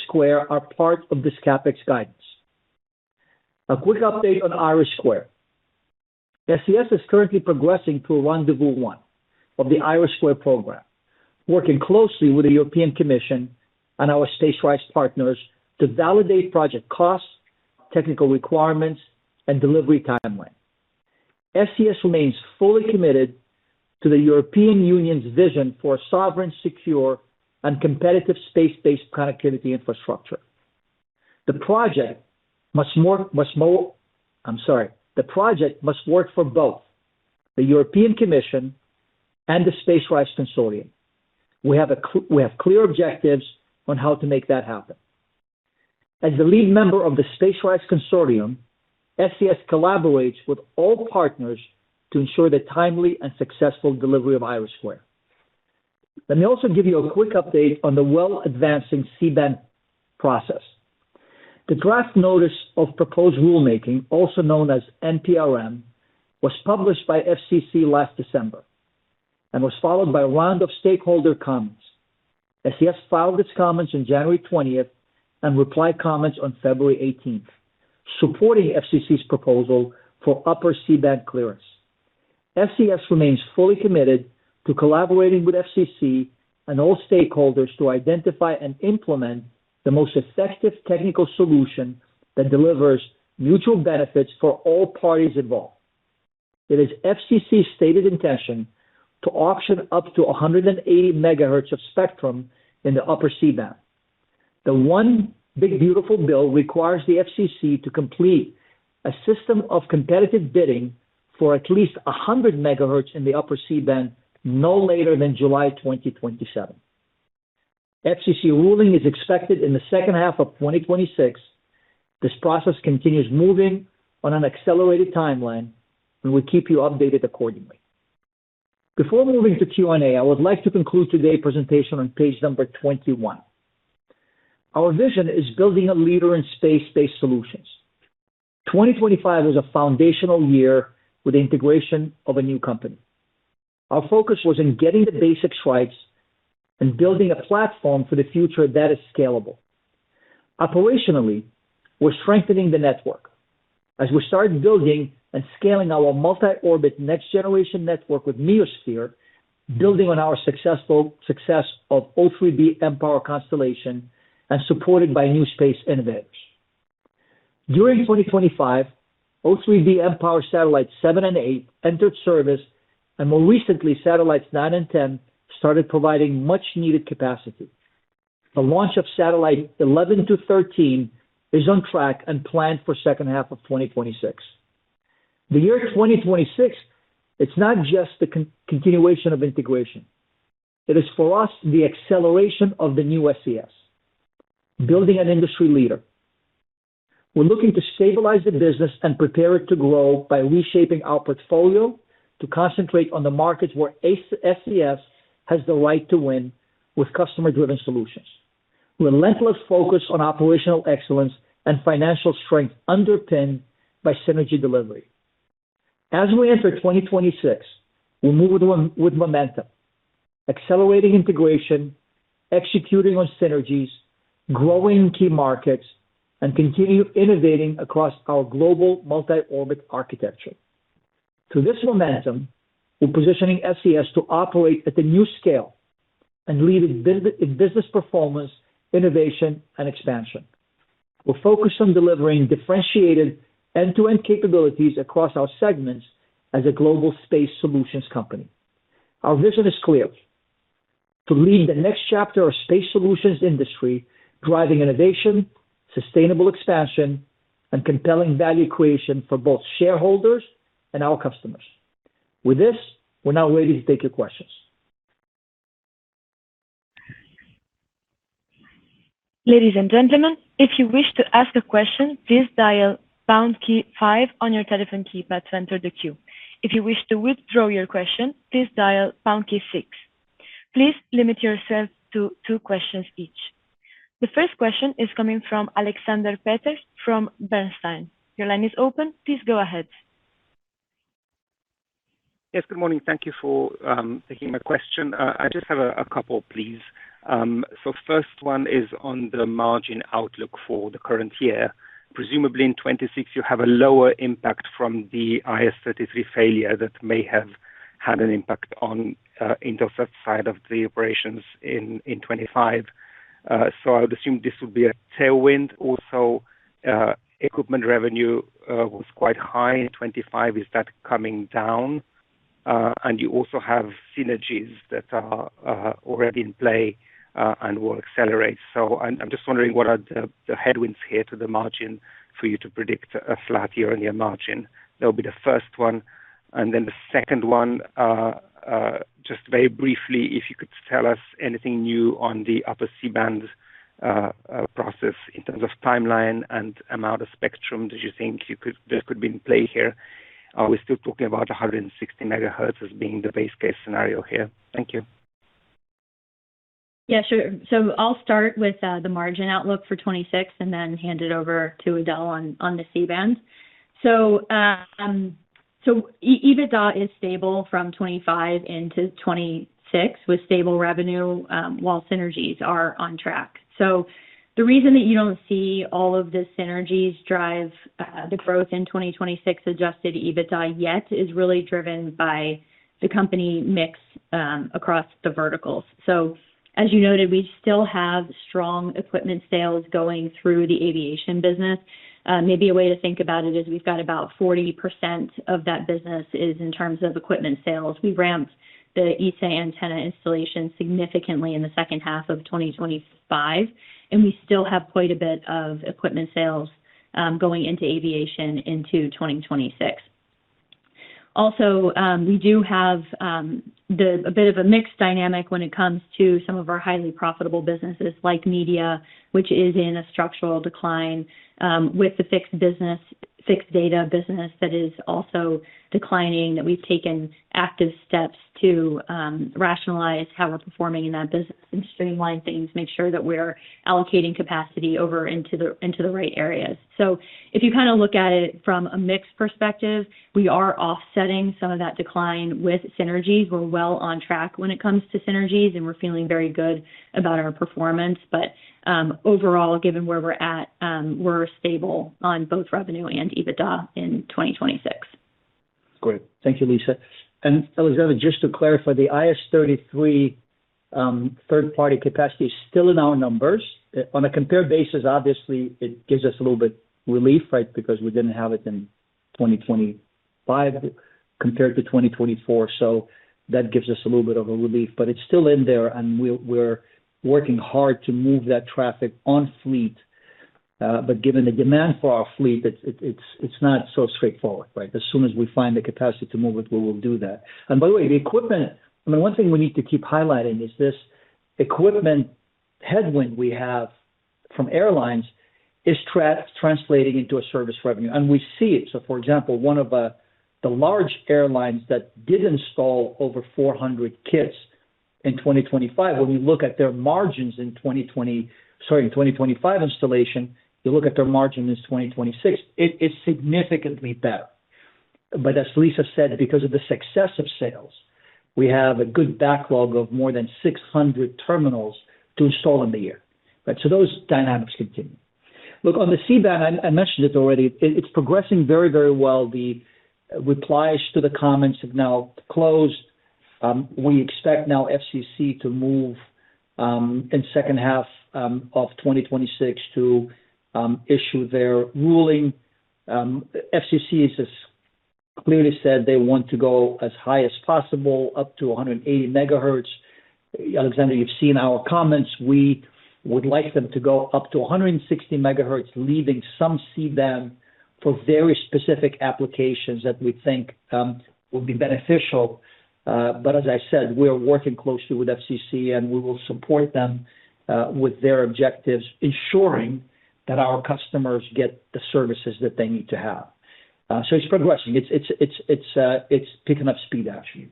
are part of this CapEx guidance. A quick update on IRIS². SES is currently progressing to Rendez‑Vous 1 of the IRIS² program, working closely with the European Commission and our SpaceRISE partners to validate project costs, technical requirements, and delivery timeline. SES remains fully committed to the European Union's vision for sovereign, secure, and competitive space-based connectivity infrastructure. The project must work for both the European Commission and the SpaceRISE consortium. I'm sorry. We have clear objectives on how to make that happen. As the lead member of the SpaceRISE consortium, SES collaborates with all partners to ensure the timely and successful delivery of IRIS². Let me also give you a quick update on the well-advancing C-band process. The draft notice of proposed rulemaking, also known as NPRM, was published by FCC last December and was followed by a round of stakeholder comments. SES filed its comments in January 20th and replied comments on February 18th, supporting FCC's proposal for upper C-band clearance. SES remains fully committed to collaborating with FCC and all stakeholders to identify and implement the most effective technical solution that delivers mutual benefits for all parties involved. It is FCC stated intention to auction up to 180 MHz of spectrum in the upper C-band. The one big beautiful bill requires the FCC to complete a system of competitive bidding for at least 100 MHz the upper C-band no later than July 2027. FCC ruling is expected in the second half of 2026. This process continues moving on an accelerated timeline, and we keep you updated accordingly. Before moving to Q&A, I would like to conclude today's presentation on page number 21. Our vision is building a leader in space-based solutions. 2025 was a foundational year with the integration of a new company. Our focus was in getting the basic stripes and building a platform for the future that is scalable. Operationally, we're strengthening the network as we start building and scaling our multi-orbit next generation network with neosphere, building on our success of O3b mPOWER constellation and supported by new space innovators. During 2025, O3b mPOWER satellites 7 & 8 entered service, and more recently, satellites 9 and 10 started providing much needed capacity. The launch of satellite 11 to 13 is on track and planned for second half of 2026. The year 2026, it's not just the continuation of integration. It is for us the acceleration of the new SES. Building an industry leader. We're looking to stabilize the business and prepare it to grow by reshaping our portfolio to concentrate on the markets where SES has the right to win with customer-driven solutions. Relentless focus on operational excellence and financial strength underpinned by synergy delivery. As we enter 2026, we move with momentum, accelerating integration, executing on synergies, growing key markets, and continue innovating across our global multi-orbit architecture. To this momentum, we're positioning SES to operate at the new scale and lead in business performance, innovation, and expansion. We're focused on delivering differentiated end-to-end capabilities across our segments as a global space solutions company. Our vision is clear: To lead the next chapter of space solutions industry, driving innovation, sustainable expansion, and compelling value creation for both shareholders and our customers. With this, we're now ready to take your questions. Ladies and gentlemen, if you wish to ask a question, please dial pound key five on your telephone keypad to enter the queue. If you wish to withdraw your question, please dial pound key six. Please limit yourself to two questions each. The first question is coming from Aleksander Peterc from Bernstein. Your line is open. Please go ahead. Yes, good morning. Thank you for taking my question. I just have a couple, please. First one is on the margin outlook for the current year. Presumably in 2026, you have a lower impact from the IS-33 failure that may have had an impact on Intelsat side of the operations in 2025. I would assume this would be a tailwind. Also, equipment revenue was quite high in 2025. Is that coming down? You also have synergies that are already in play and will accelerate. I'm just wondering what are the headwinds here to the margin for you to predict a flat year on your margin? That'll be the first one. The second one, just very briefly, if you could tell us anything new on the upper C-band process in terms of timeline and amount of spectrum that you think that could be in play here. Are we still talking about 160 MHz as being the base case scenario here? Thank you. Yeah, sure. I'll start with the margin outlook for 2026 and then hand it over to Adel on the C-band. EBITDA is stable from 2025 into 2026, with stable revenue while synergies are on track. The reason that you don't see all of the synergies drive the growth in 2026 Adjusted EBITDA yet is really driven by the company mix across the verticals. As you noted, we still have strong equipment sales going through the Aviation business. Maybe a way to think about it is we've got about 40% of that business is in terms of equipment sales. We ramped the ESA antenna installation significantly in the second half of 2025, and we still have quite a bit of equipment sales going into Aviation into 2026. We do have a bit of a mixed dynamic when it comes to some of our highly profitable businesses like Media, which is in a structural decline, with the Fixed Data business that is also declining, that we've taken active steps to rationalize how we're performing in that business and streamline things, make sure that we're allocating capacity over into the right areas. If you kind of look at it from a mix perspective, we are offsetting some of that decline with synergies. We're well on track when it comes to synergies, and we're feeling very good about our performance. Overall, given where we're at, we're stable on both revenue and EBITDA in 2026. Great. Thank you, Lisa. Aleksander, just to clarify, the IS-33 Third-party capacity is still in our numbers. On a compare basis, obviously, it gives us a little bit relief, right? Because we didn't have it in 2025 compared to 2024. That gives us a little bit of a relief. It's still in there, and we're working hard to move that traffic on fleet. Given the demand for our fleet, it's, it's not so straightforward, right? As soon as we find the capacity to move it, we will do that. By the way, the equipment, I mean, one thing we need to keep highlighting is this equipment headwind we have from airlines is translating into a service revenue, and we see it. For example, one of the large airlines that did install over 400 kits in 2025, when we look at their margins in 2020. Sorry, in 2025 installation, you look at their margin is 2026. It is significantly better. As Lisa said, because of the success of sales, we have a good backlog of more than 600 terminals to install in the year, right? On the C-band, I mentioned it already. It is progressing very, very well. The replies to the comments have now closed. We expect now FCC to move in second half of 2026 to issue their ruling. FCC has clearly said they want to go as high as possible, up to 180 MHz. Aleksander, you've seen our comments. We would like them to go up to 160 MHz, leaving some C-band for very specific applications that we think will be beneficial. As I said, we are working closely with FCC, and we will support them, with their objectives, ensuring that our customers get the services that they need to have. It's progressing. It's picking up speed, actually.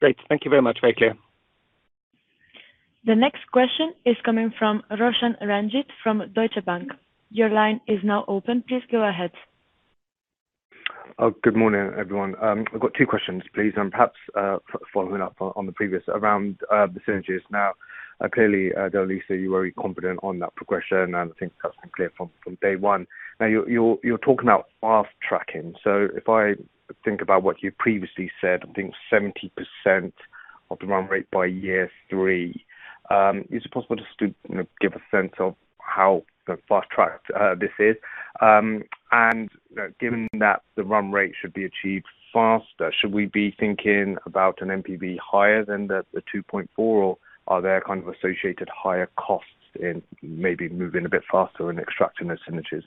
Great. Thank you very much. Very clear. The next question is coming from Roshan Ranjit from Deutsche Bank. Your line is now open. Please go ahead. Good morning, everyone. I've got two questions, please. Perhaps, following up on the previous around the synergies. Clearly, Adel, Lisa, you were very confident on that progression, and I think that's been clear from day one. You're talking about fast tracking. If I think about what you previously said, I think 70% of the run rate by year three, is it possible just to, you know, give a sense of how fast-tracked this is? Given that the run rate should be achieved faster, should we be thinking about an NPV higher than the 2.4, or are there kind of associated higher costs in maybe moving a bit faster and extracting those synergies?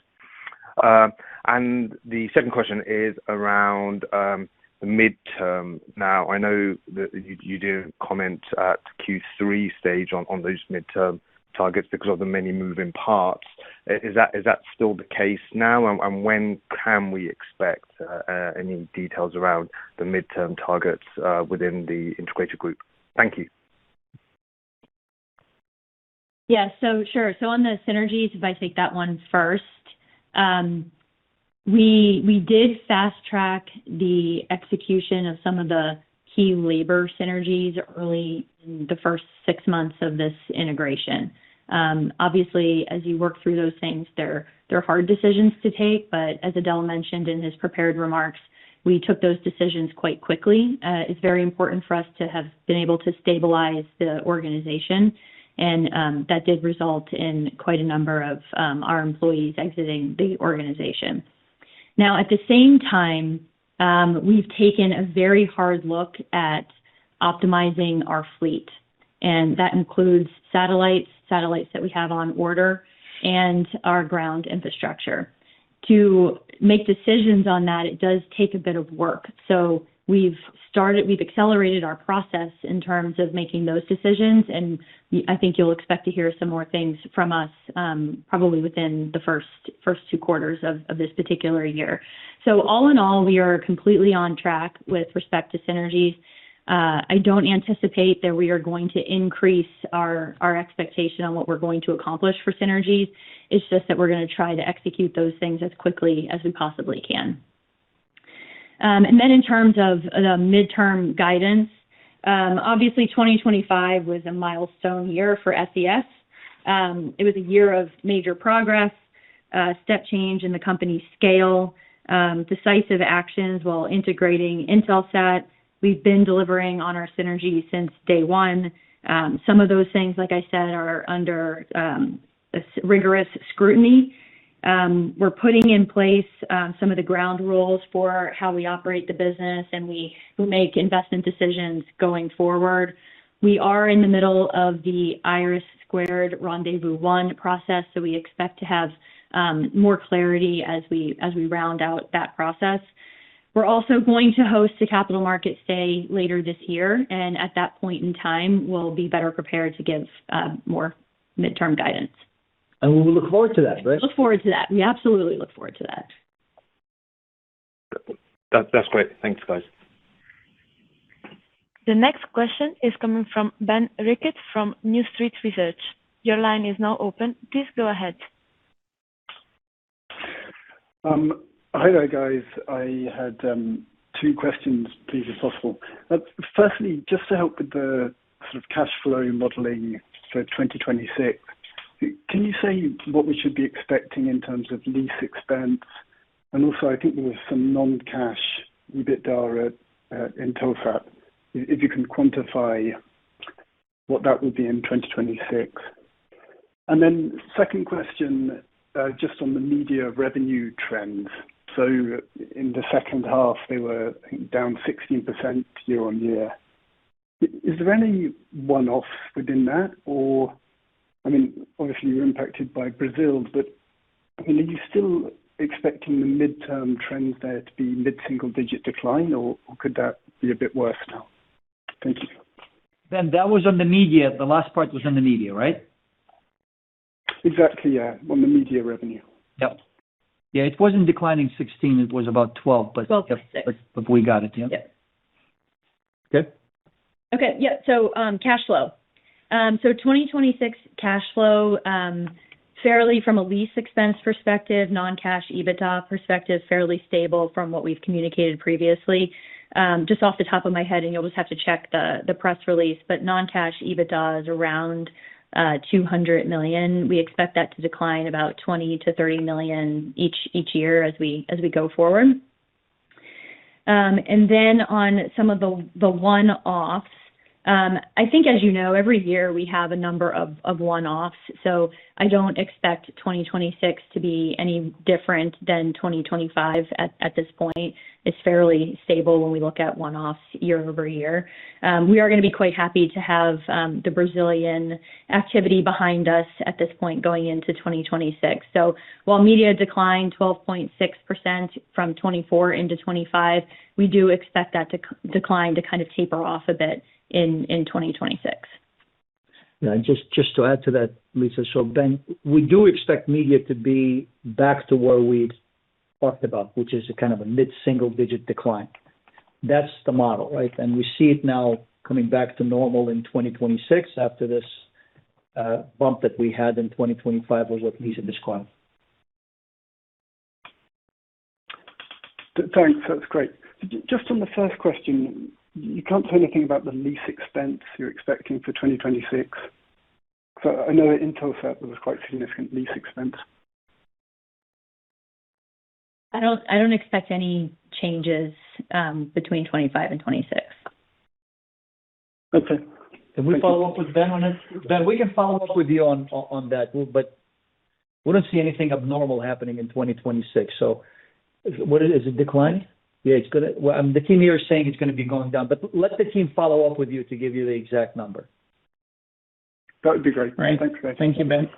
The second question is around the midterm. Now, I know that you didn't comment at Q3 stage on those midterm targets because of the many moving parts. Is that still the case now? When can we expect any details around the midterm targets within the integrated group? Thank you. Sure. On the synergies, if I take that one first, we did fast track the execution of some of the key labor synergies early in the first six months of this integration. Obviously, as you work through those things, they're hard decisions to take, but as Adel mentioned in his prepared remarks, we took those decisions quite quickly. It's very important for us to have been able to stabilize the organization. That did result in quite a number of our employees exiting the organization. At the same time, we've taken a very hard look at optimizing our fleet, and that includes satellites that we have on order and our ground infrastructure. To make decisions on that, it does take a bit of work. We've accelerated our process in terms of making those decisions, I think you'll expect to hear some more things from us, probably within the first two quarters of this particular year. All in all, we are completely on track with respect to synergies. I don't anticipate that we are going to increase our expectation on what we're going to accomplish for synergies. It's just that we're gonna try to execute those things as quickly as we possibly can. In terms of the midterm guidance, obviously 2025 was a milestone year for SES. It was a year of major progress, a step change in the company's scale, decisive actions while integrating Intelsat. We've been delivering on our synergies since day one. Some of those things, like I said, are under a rigorous scrutiny. We're putting in place some of the ground rules for how we operate the business, and we make investment decisions going forward. We are in the middle of the IRIS² Rendez‑Vous 1 process. We expect to have more clarity as we, as we round out that process. We're also going to host a Capital Markets Day later this year, and at that point in time, we'll be better prepared to give more midterm guidance. We look forward to that, right? Look forward to that. We absolutely look forward to that. That's great. Thanks, guys. The next question is coming from Ben Rickett from New Street Research. Your line is now open. Please go ahead. Hi there, guys. I had two questions please, if possible. Firstly, just to help with the sort of cash flow modeling for 2026, can you say what we should be expecting in terms of lease expense? Also I think there was some non-cash EBITDA at Intelsat. If you can quantify what that would be in 2026. Second question, just on the Media revenue trends. In the second half, they were down 16% year-on-year. Is there any one-off within that? I mean, obviously, you're impacted by Brazil, I mean, are you still expecting the midterm trends there to be mid-single-digit decline or could that be a bit worse now? Thank you. Ben, that was on the Media. The last part was on the Media, right? Exactly, yeah. On the Media revenue. Yeah. Yeah. It wasn't declining 16%, it was about 12%. We got it. Yeah. Yeah. Okay. Cash flow. 2026 cash flow, fairly from a lease expense perspective, non-cash EBITDA perspective, fairly stable from what we've communicated previously. Just off the top of my head, and you'll just have to check the press release, but non-cash EBITDA is around 200 million. We expect that to decline about 20 million-30 million each year as we go forward. On some of the one-offs, I think as you know, every year we have a number of one-offs, so I don't expect 2026 to be any different than 2025 at this point. It's fairly stable when we look at one-offs year-over-year. We are gonna be quite happy to have the Brazilian activity behind us at this point going into 2026. While Media declined 12.6% from 2024 into 2025, we do expect that decline to kind of taper off a bit in 2026. Just to add to thht, Lisa. Ben, we do expect Media to be back to where we'd talked about, which is a kind of a mid-single-digit decline. That's the model, right? We see it now coming back to normal in 2026 after this, bump that we had in 2025, or what Lisa described. Thanks. That's great. Just on the first question, you can't say anything about the lease expense you're expecting for 2026? I know at Intelsat there was quite significant lease expense. I don't expect any changes, between 2025 and 2026. Okay. Can we follow up with Ben on it? Ben, we can follow up with you on that, but we don't see anything abnormal happening in 2026. What is it? Is it decline? Yeah, it's gonna. Well, the team here is saying it's gonna be going down, but let the team follow up with you to give you the exact number. That would be great. Great. Thanks. Thank you, Ben.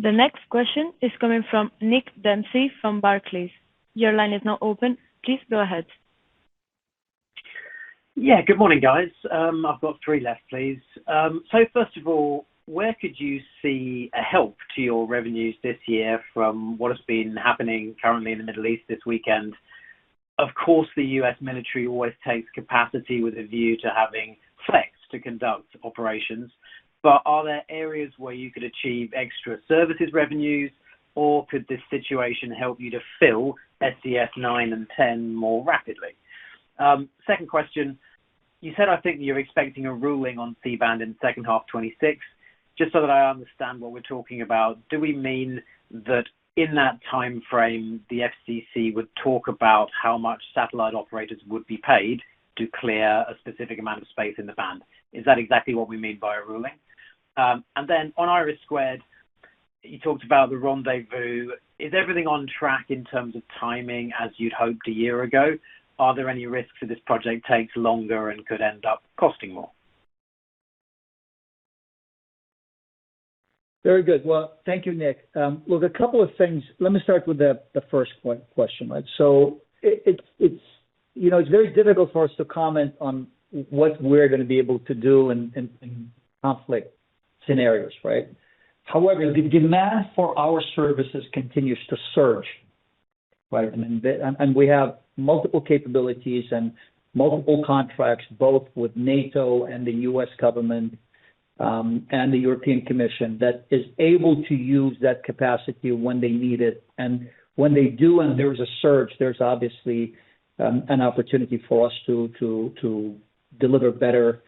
The next question is coming from Nick Dempsey from Barclays. Your line is now open. Please go ahead. Yeah, good morning, guys. I've got three left, please. First of all, where could you see a help to your revenues this year from what has been happening currently in the Middle East this weekend? Of course, the U.S. military always takes capacity with a view to having flex to conduct operations, but are there areas where you could achieve extra services revenues, or could this situation help you to fill [SCF 9 and 10] more rapidly? Second question, you said, I think, you're expecting a ruling on C-band in second half 2026. Just so that I understand what we're talking about. Do we mean that in that timeframe, the FCC would talk about how much satellite operators would be paid to clear a specific amount of space in the band? Is that exactly what we mean by a ruling? On IRIS², you talked about the Rendez‑Vous. Is everything on track in terms of timing as you'd hoped a year ago? Are there any risks of this project takes longer and could end up costing more? Very good. Well, thank you, Nick. Look, a couple of things. Let me start with the first one question. It's, you know, it's very difficult for us to comment on what we're gonna be able to do in conflict scenarios, right? However, the demand for our services continues to surge, right? We have multiple capabilities and multiple contracts, both with NATO and the U.S. government, and the European Commission that is able to use that capacity when they need it. When they do and there is a surge, there's obviously an opportunity for us to deliver better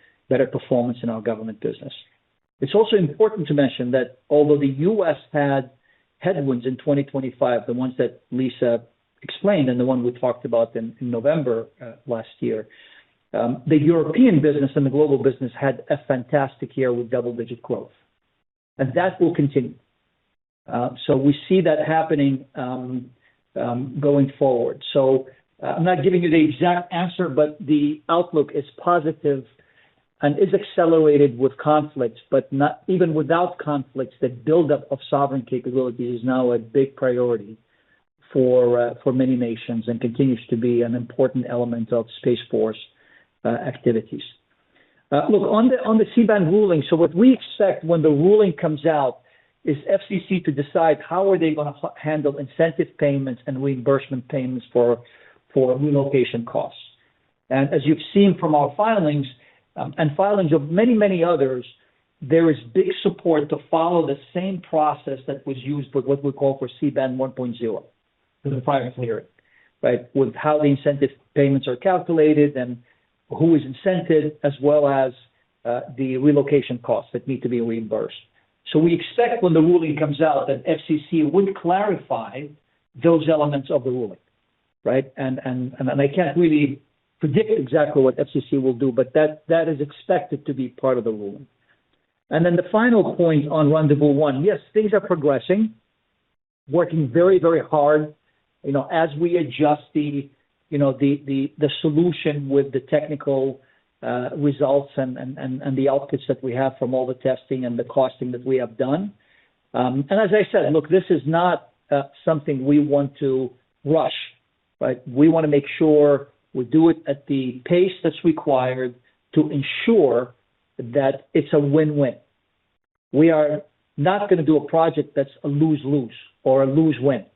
performance in our Government business. It's also important to mention that although the U.S. had headwinds in 2025, the ones that Lisa explained and the one we talked about in November last year, the European business and the global business had a fantastic year with double-digit growth. That will continue. We see that happening going forward. I'm not giving you the exact answer, but the outlook is positive and is accelerated with conflicts. Even without conflicts, the buildup of sovereign capabilities is now a big priority for many nations and continues to be an important element of Space Force activities. Look on the C-band ruling. What we expect when the ruling comes out is FCC to decide how are they gonna handle incentive payments and reimbursement payments for relocation costs. As you've seen from our filings, and filings of many, many others, there is big support to follow the same process that was used with what we call for C-band 1.0 for the filing period, right? With how the incentive payments are calculated and who is incented, as well as, the relocation costs that need to be reimbursed. We expect when the ruling comes out that FCC would clarify those elements of the ruling, right? I can't really predict exactly what FCC will do, but that is expected to be part of the ruling. The final point on Rendez‑Vous 1. Yes, things are progressing. Working very, very hard, you know, as we adjust the, you know, the, the solution with the technical results and, and the outputs that we have from all the testing and the costing that we have done. As I said, look, this is not something we want to rush, right? We wanna make sure we do it at the pace that's required to ensure that it's a win-win. We are not gonna do a project that's a lose-lose or a lose-win.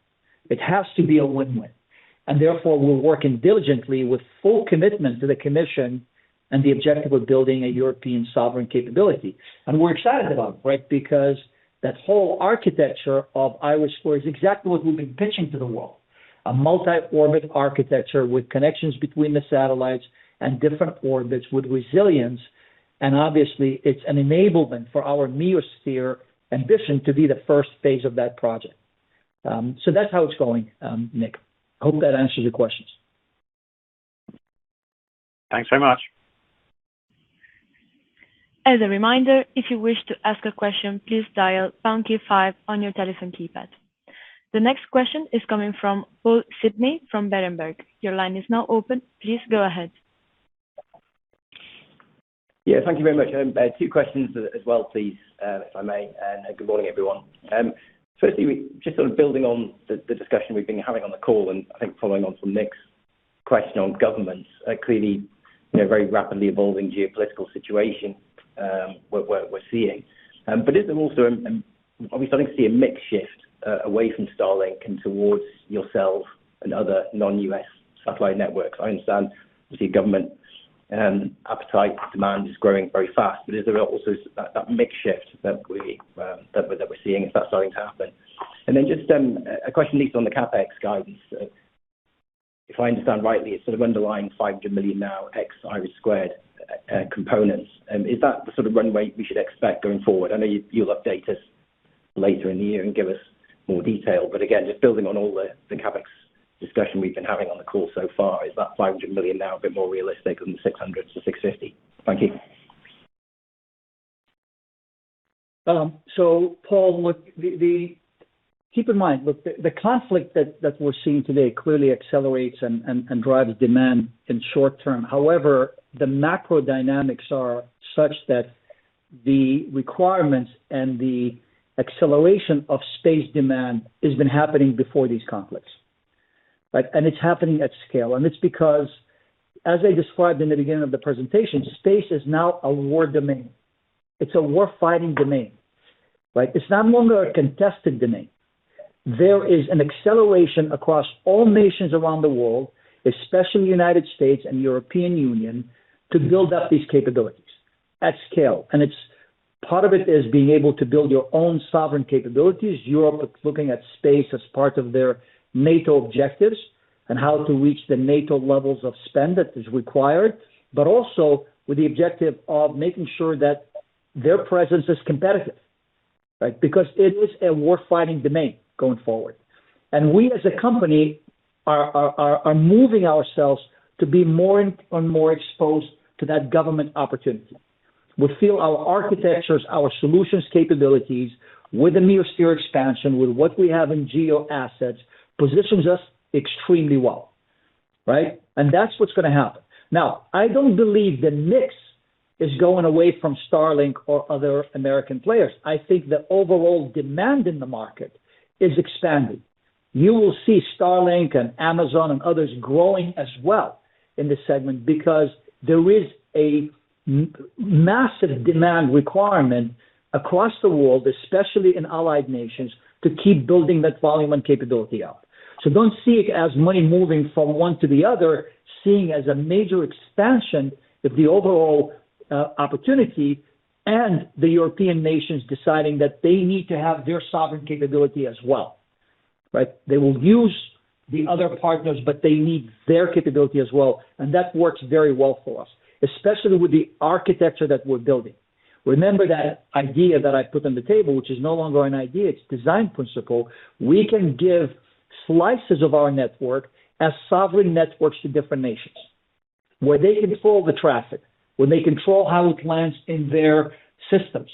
It has to be a win-win. Therefore, we're working diligently with full commitment to the Commission and the objective of building a European sovereign capability. We're excited about it, right? Because that whole architecture of IRIS² is exactly what we've been pitching to the world. A multi-orbit architecture with connections between the satellites and different orbits with resilience. Obviously, it's an enablement for our meoSphere ambition to be the first phase of that project. That's how it's going, Nick. Hope that answers your questions. Thanks very much. As a reminder, if you wish to ask a question, please dial pound key five on your telephone keypad. The next question is coming from Paul Sidney from Berenberg. Your line is now open. Please go ahead. Yeah. Thank you very much. I have two questions as well, please, if I may. Good morning, everyone. Firstly, just sort of building on the discussion we've been having on the call and I think following on from Nick's question on governments. Clearly, you know, very rapidly evolving geopolitical situation, we're seeing. Is there also, are we starting to see a mix shift away from Starlink and towards yourself and other non-U.S. satellite networks? I understand the government appetite demand is growing very fast, but is there also that mix shift that we're seeing if that's starting to happen? Then just a question at least on the CapEx guidance. If I understand rightly, it's sort of underlying 500 million now ex IRIS² components. Is that the sort of runway we should expect going forward? I know you'll update us later in the year and give us more detail, again, just building on all the CapEx discussion we've been having on the call so far. Is that 500 million now a bit more realistic than the 600 million-650 million? Thank you. Paul, look, the conflict that we're seeing today clearly accelerates and drives demand in short term. However, the macro dynamics are such that the requirements and the acceleration of space demand has been happening before these conflicts. Right? It's happening at scale. It's because, as I described in the beginning of the presentation, space is now a war domain. It's a war fighting domain, right? It's no longer a contested domain. There is an acceleration across all nations around the world, especially United States and European Union, to build up these capabilities at scale. Part of it is being able to build your own sovereign capabilities. Europe is looking at space as part of their NATO objectives and how to reach the NATO levels of spend that is required, but also with the objective of making sure that their presence is competitive, right? Because it is a war fighting domain going forward. We as a company are moving ourselves to be more and more exposed to that government opportunity. We feel our architectures, our solutions capabilities with the meoSphere expansion, with what we have in GEO assets, positions us extremely well, right? That's what's gonna happen. Now, I don't believe the mix is going away from Starlink or other American players. I think the overall demand in the market is expanding. You will see Starlink and Amazon and others growing as well in this segment because there is a massive demand requirement across the world, especially in allied nations, to keep building that volume and capability up. Don't see it as money moving from one to the other, see it as a major expansion of the overall opportunity and the European nations deciding that they need to have their sovereign capability as well, right? They will use the other partners, but they need their capability as well, and that works very well for us, especially with the architecture that we're building. Remember that idea that I put on the table, which is no longer an idea, it's design principle. We can give slices of our network as sovereign networks to different nations, where they control the traffic, where they control how it lands in their systems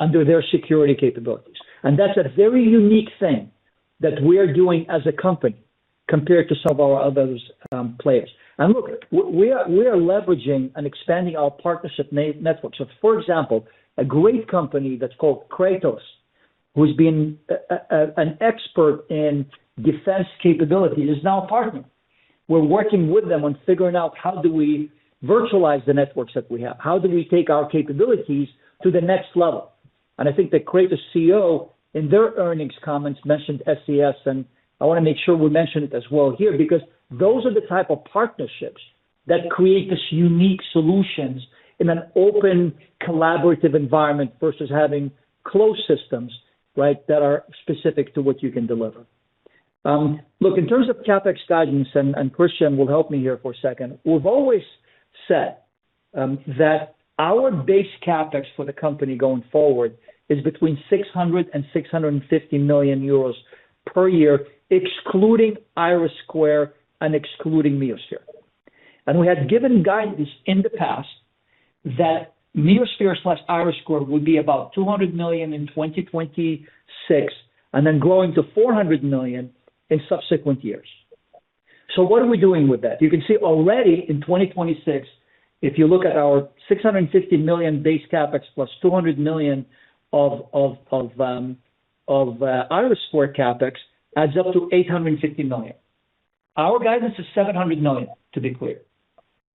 under their security capabilities. That's a very unique thing that we are doing as a company compared to some of our others, players. Look, we are leveraging and expanding our partnership networks. For example, a great company that's called Kratos, who's been an expert in defense capability, is now a partner. We're working with them on figuring out how do we virtualize the networks that we have? How do we take our capabilities to the next level? I think the Kratos CEO in their earnings comments mentioned SES, and I want to make sure we mention it as well here, because those are the type of partnerships that create these unique solutions in an open, collaborative environment versus having closed systems, right, that are specific to what you can deliver. Look, in terms of CapEx guidance, and Christian will help me here for a second. We've always said that our base CapEx for the company going forward is between 600 million-650 million euros per year, excluding IRIS² and excluding neosphere. We had given guidance in the past that neosphere/IRIS² would be about 200 million in 2026 and then growing to 400 million in subsequent years. What are we doing with that? You can see already in 2026, if you look at our 650 million base CapEx +200 million IRIS² CapEx adds up to 850 million. Our guidance is 700 million, to be clear.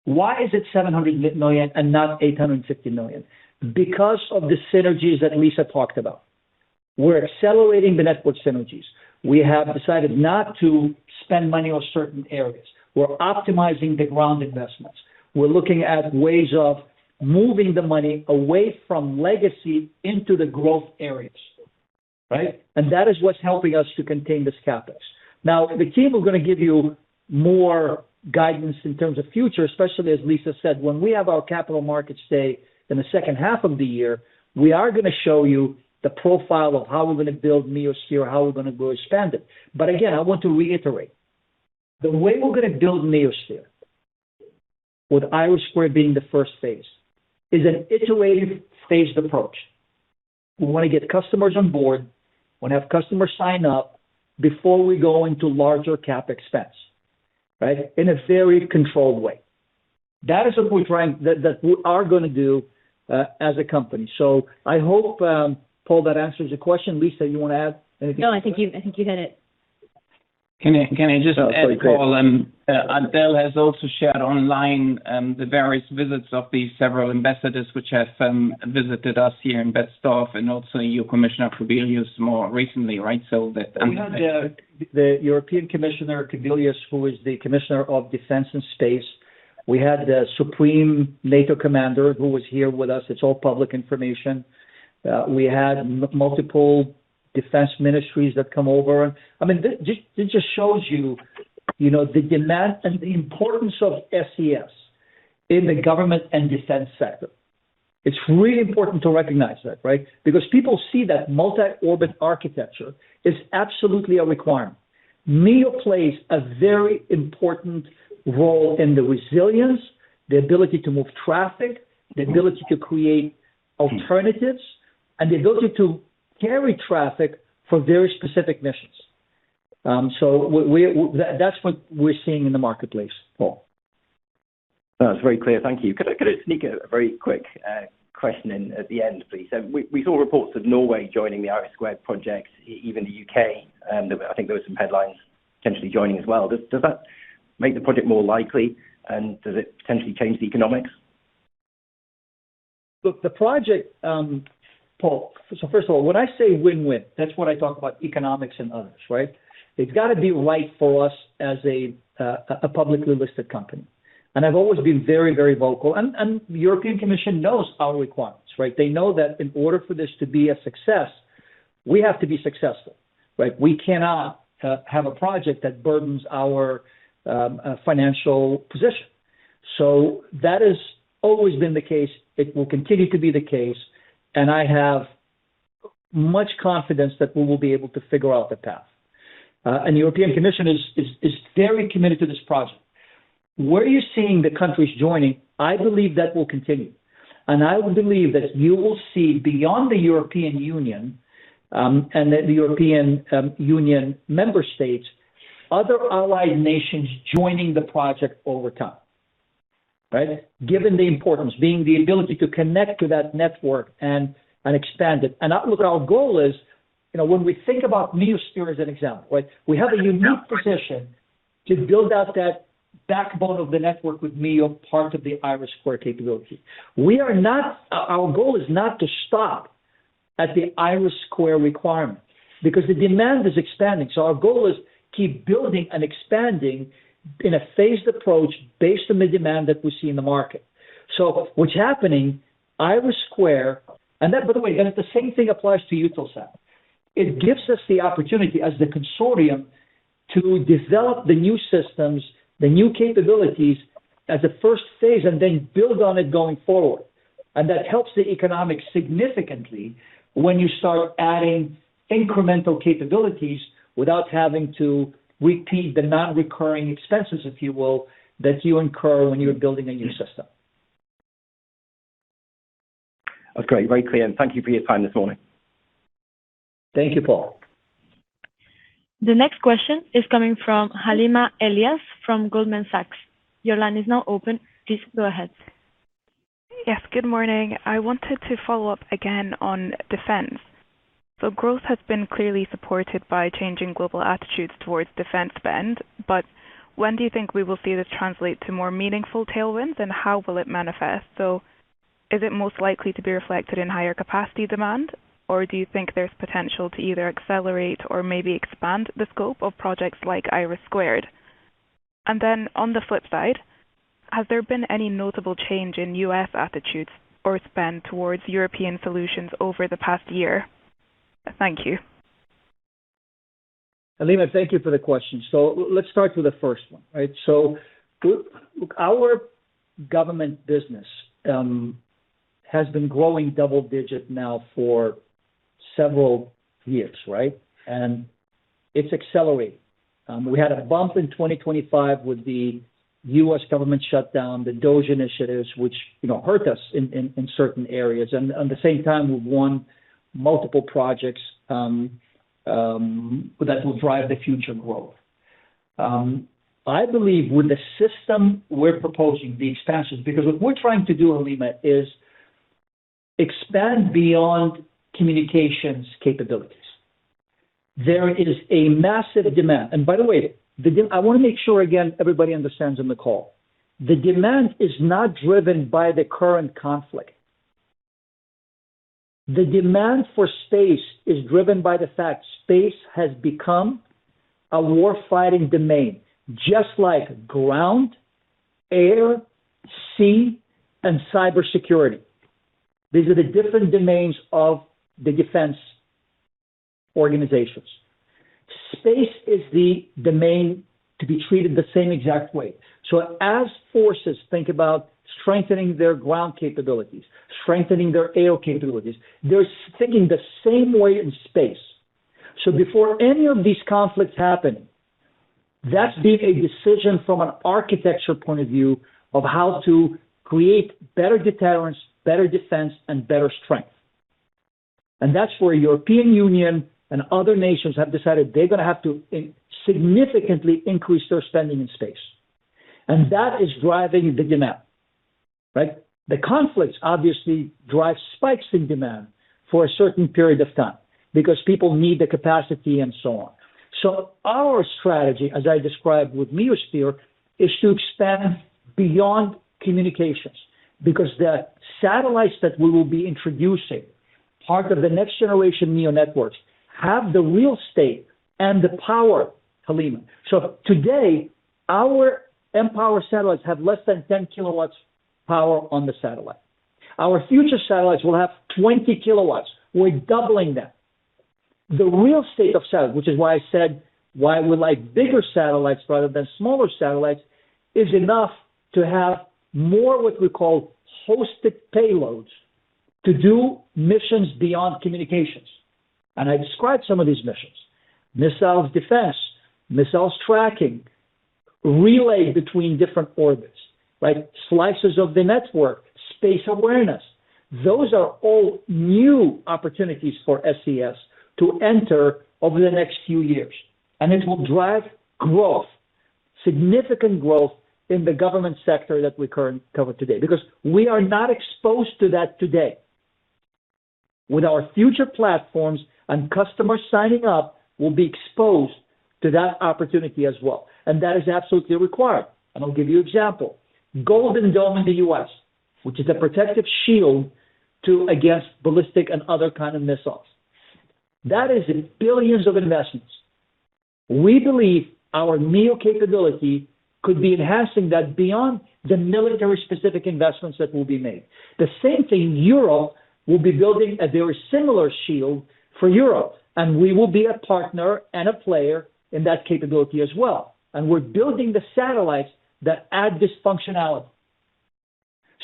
Why is it 700 million and not 850 million? Because of the synergies that Lisa talked about. We're accelerating the network synergies. We have decided not to spend money on certain areas. We're optimizing the ground investments. We're looking at ways of moving the money away from legacy into the growth areas, right? That is what's helping us to contain this CapEx. The team are gonna give you more guidance in terms of future, especially as Lisa said, when we have our capital markets day in the second half of the year, we are gonna show you the profile of how we're gonna build neosphere, how we're gonna grow, expand it. Again, I want to reiterate, the way we're gonna build neosphere, with IRIS² being the first phase, is an iterative phased approach. We wanna get customers on Board. We wanna have customers sign up before we go into larger CapEx spends, right? In a very controlled way. That is what we are gonna do as a company. I hope, Paul, that answers your question. Lisa, you wanna add anything? No, I think you, I think you hit it. Can I just add, Paul, and Adel has also shared online, the various visits of these several ambassadors which have visited us here in Betzdorf and also EU Commissioner Kubilius more recently, right? I met the European Commissioner Kubilius, who is the commissioner of defense and space. We had the Supreme NATO Commander who was here with us. It's all public information. We had multiple defense ministries that come over. I mean, this just shows you know, the demand and the importance of SES in the government and defense sector. It's really important to recognize that, right? People see that multi-orbit architecture is absolutely a requirement. neosphere plays a very important role in the resilience, the ability to move traffic, the ability to create alternatives, and the ability to carry traffic for very specific missions. That's what we're seeing in the marketplace, Paul. That's very clear. Thank you. Could I sneak a very quick question in at the end, please? We saw reports of Norway joining the IRIS² project, even the U.K. I think there were some headlines potentially joining as well. Does that make the project more likely, and does it potentially change the economics? Look, the project, Paul, first of all, when I say win-win, that's when I talk about economics and others, right? It's gotta be right for us as a publicly listed company. I've always been very, very vocal. The European Commission knows our requirements, right? They know that in order for this to be a success, we have to be successful, right? We cannot have a project that burdens our financial position. That has always been the case. It will continue to be the case, and I have much confidence that we will be able to figure out the path. The European Commission is very committed to this project. Where are you seeing the countries joining? I believe that will continue. I believe that you will see beyond the European Union, and the European Union member states, other allied nations joining the project over time, right? Given the importance, being the ability to connect to that network and expand it. Look, our goal is, you know, when we think about neosphere as an example, right? We have a unique position to build out that backbone of the network with MEO part of the IRIS² capability. Our goal is not to stop at the IRIS² requirement because the demand is expanding. Our goal is keep building and expanding in a phased approach based on the demand that we see in the market. What's happening, IRIS². That, by the way, and it's the same thing applies to Eutelsat. It gives us the opportunity as the consortium to develop the new systems, the new capabilities as a first phase, and then build on it going forward. That helps the economics significantly when you start adding incremental capabilities without having to repeat the non-recurring expenses, if you will, that you incur when you're building a new system. That's great. Very clear. Thank you for your time this morning. Thank you, Paul. The next question is coming from Halima Elyas from Goldman Sachs. Your line is now open. Please go ahead. Yes. Good morning. I wanted to follow up again on Defense. Growth has been clearly supported by changing global attitudes towards Defense spend, but when do you think we will see this translate to more meaningful tailwinds, and how will it manifest? Is it most likely to be reflected in higher capacity demand, or do you think there's potential to either accelerate or maybe expand the scope of projects like IRIS²? On the flip side, has there been any notable change in U.S. attitudes or spend towards European solutions over the past year? Thank you. Halima, thank you for the question. Let's start with the first one, right? Look, our Government business has been growing double-digit now for several years, right? It's accelerating. We had a bump in 2025 with the U.S. government shutdown, the DOGE initiatives, which, you know, hurt us in certain areas. At the same time, we've won multiple projects that will drive the future growth. I believe will the system we're proposing be expansive. Because what we're trying to do, Halima, is expand beyond communications capabilities. There is a massive demand. By the way, the demand I wanna make sure again everybody understands on the call. The demand is not driven by the current conflict. The demand for space is driven by the fact space has become a war-fighting domain, just like ground, air, sea, and cybersecurity. These are the different domains of the defense organizations. Space is the domain to be treated the same exact way. As forces think about strengthening their ground capabilities, strengthening their AO capabilities, they're thinking the same way in space. Before any of these conflicts happen, that's been a decision from an architecture point of view of how to create better deterrence, better defense, and better strength. That's where European Union and other nations have decided they're gonna have to significantly increase their spending in space. That is driving the demand, right? The conflicts obviously drive spikes in demand for a certain period of time because people need the capacity and so on. Our strategy, as I described with neosphere, is to expand beyond communications because the satellites that we will be introducing, part of the next generation Neo networks, have the real estate and the power, Halima. Today, our mPOWER satellites have less than 10 kilowatts power on the satellite. Our future satellites will have 20 kW. We're doubling that. The real estate of satellites, which is why I said why we like bigger satellites rather than smaller satellites, is enough to have more what we call hosted payloads to do missions beyond communications. I described some of these missions. Missile defense, missiles tracking, relay between different orbits, right? Slices of the network, space awareness. Those are all new opportunities for SES to enter over the next few years. It will drive growth, significant growth in the government sector that we currently cover today. We are not exposed to that today. With our future platforms and customers signing up, we'll be exposed to that opportunity as well, and that is absolutely required. I'll give you example. Golden Dome in the U.S., which is a protective shield to against ballistic and other kind of missiles. That is in $billions of investments. We believe our MEO capability could be enhancing that beyond the military specific investments that will be made. The same thing, Europe will be building a very similar shield for Europe, and we will be a partner and a player in that capability as well. We're building the satellites that add this functionality.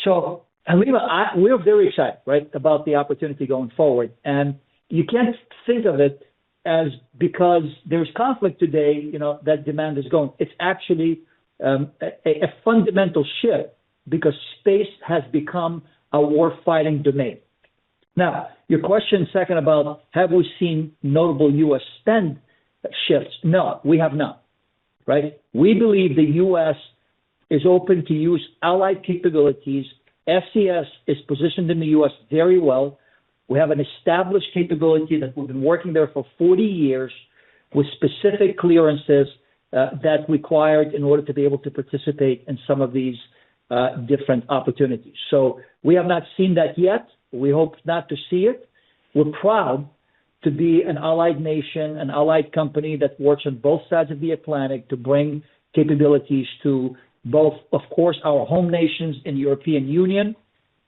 Halima, we're very excited, right, about the opportunity going forward. You can't think of it as because there's conflict today, you know, that demand is going. It's actually a fundamental shift because space has become a war-fighting domain. Your question second about have we seen notable U.S. spend shifts? No. We have not. Right? We believe the U.S. is open to use allied capabilities. SES is positioned in the U.S. very well. We have an established capability that we've been working there for 40 years with specific clearances that's required in order to be able to participate in some of these different opportunities. We have not seen that yet. We hope not to see it. We're proud to be an allied nation, an allied company that works on both sides of the Atlantic to bring capabilities to both, of course, our home nations in European Union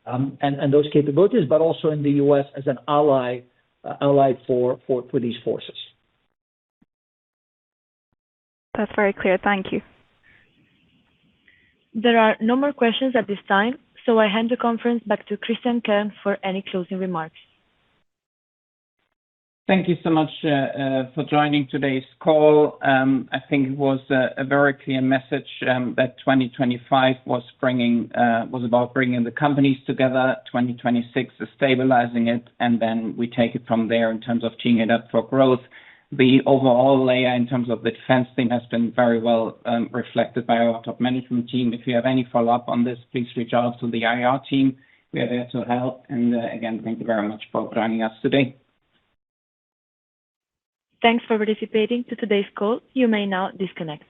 and those capabilities, but also in the U.S. as an ally for these forces. That's very clear. Thank you. There are no more questions at this time. I hand the conference back to Christian Kern for any closing remarks. Thank you so much for joining today's call. I think it was a very clear message that 2025 was bringing, was about bringing the companies together. 2026 is stabilizing it, then we take it from there in terms of teeing it up for growth. The overall layer in terms of the defense theme has been very well reflected by our top management team. If you have any follow-up on this, please reach out to the IR team. We are there to help. Again, thank you very much for joining us today. Thanks for participating to today's call. You may now disconnect.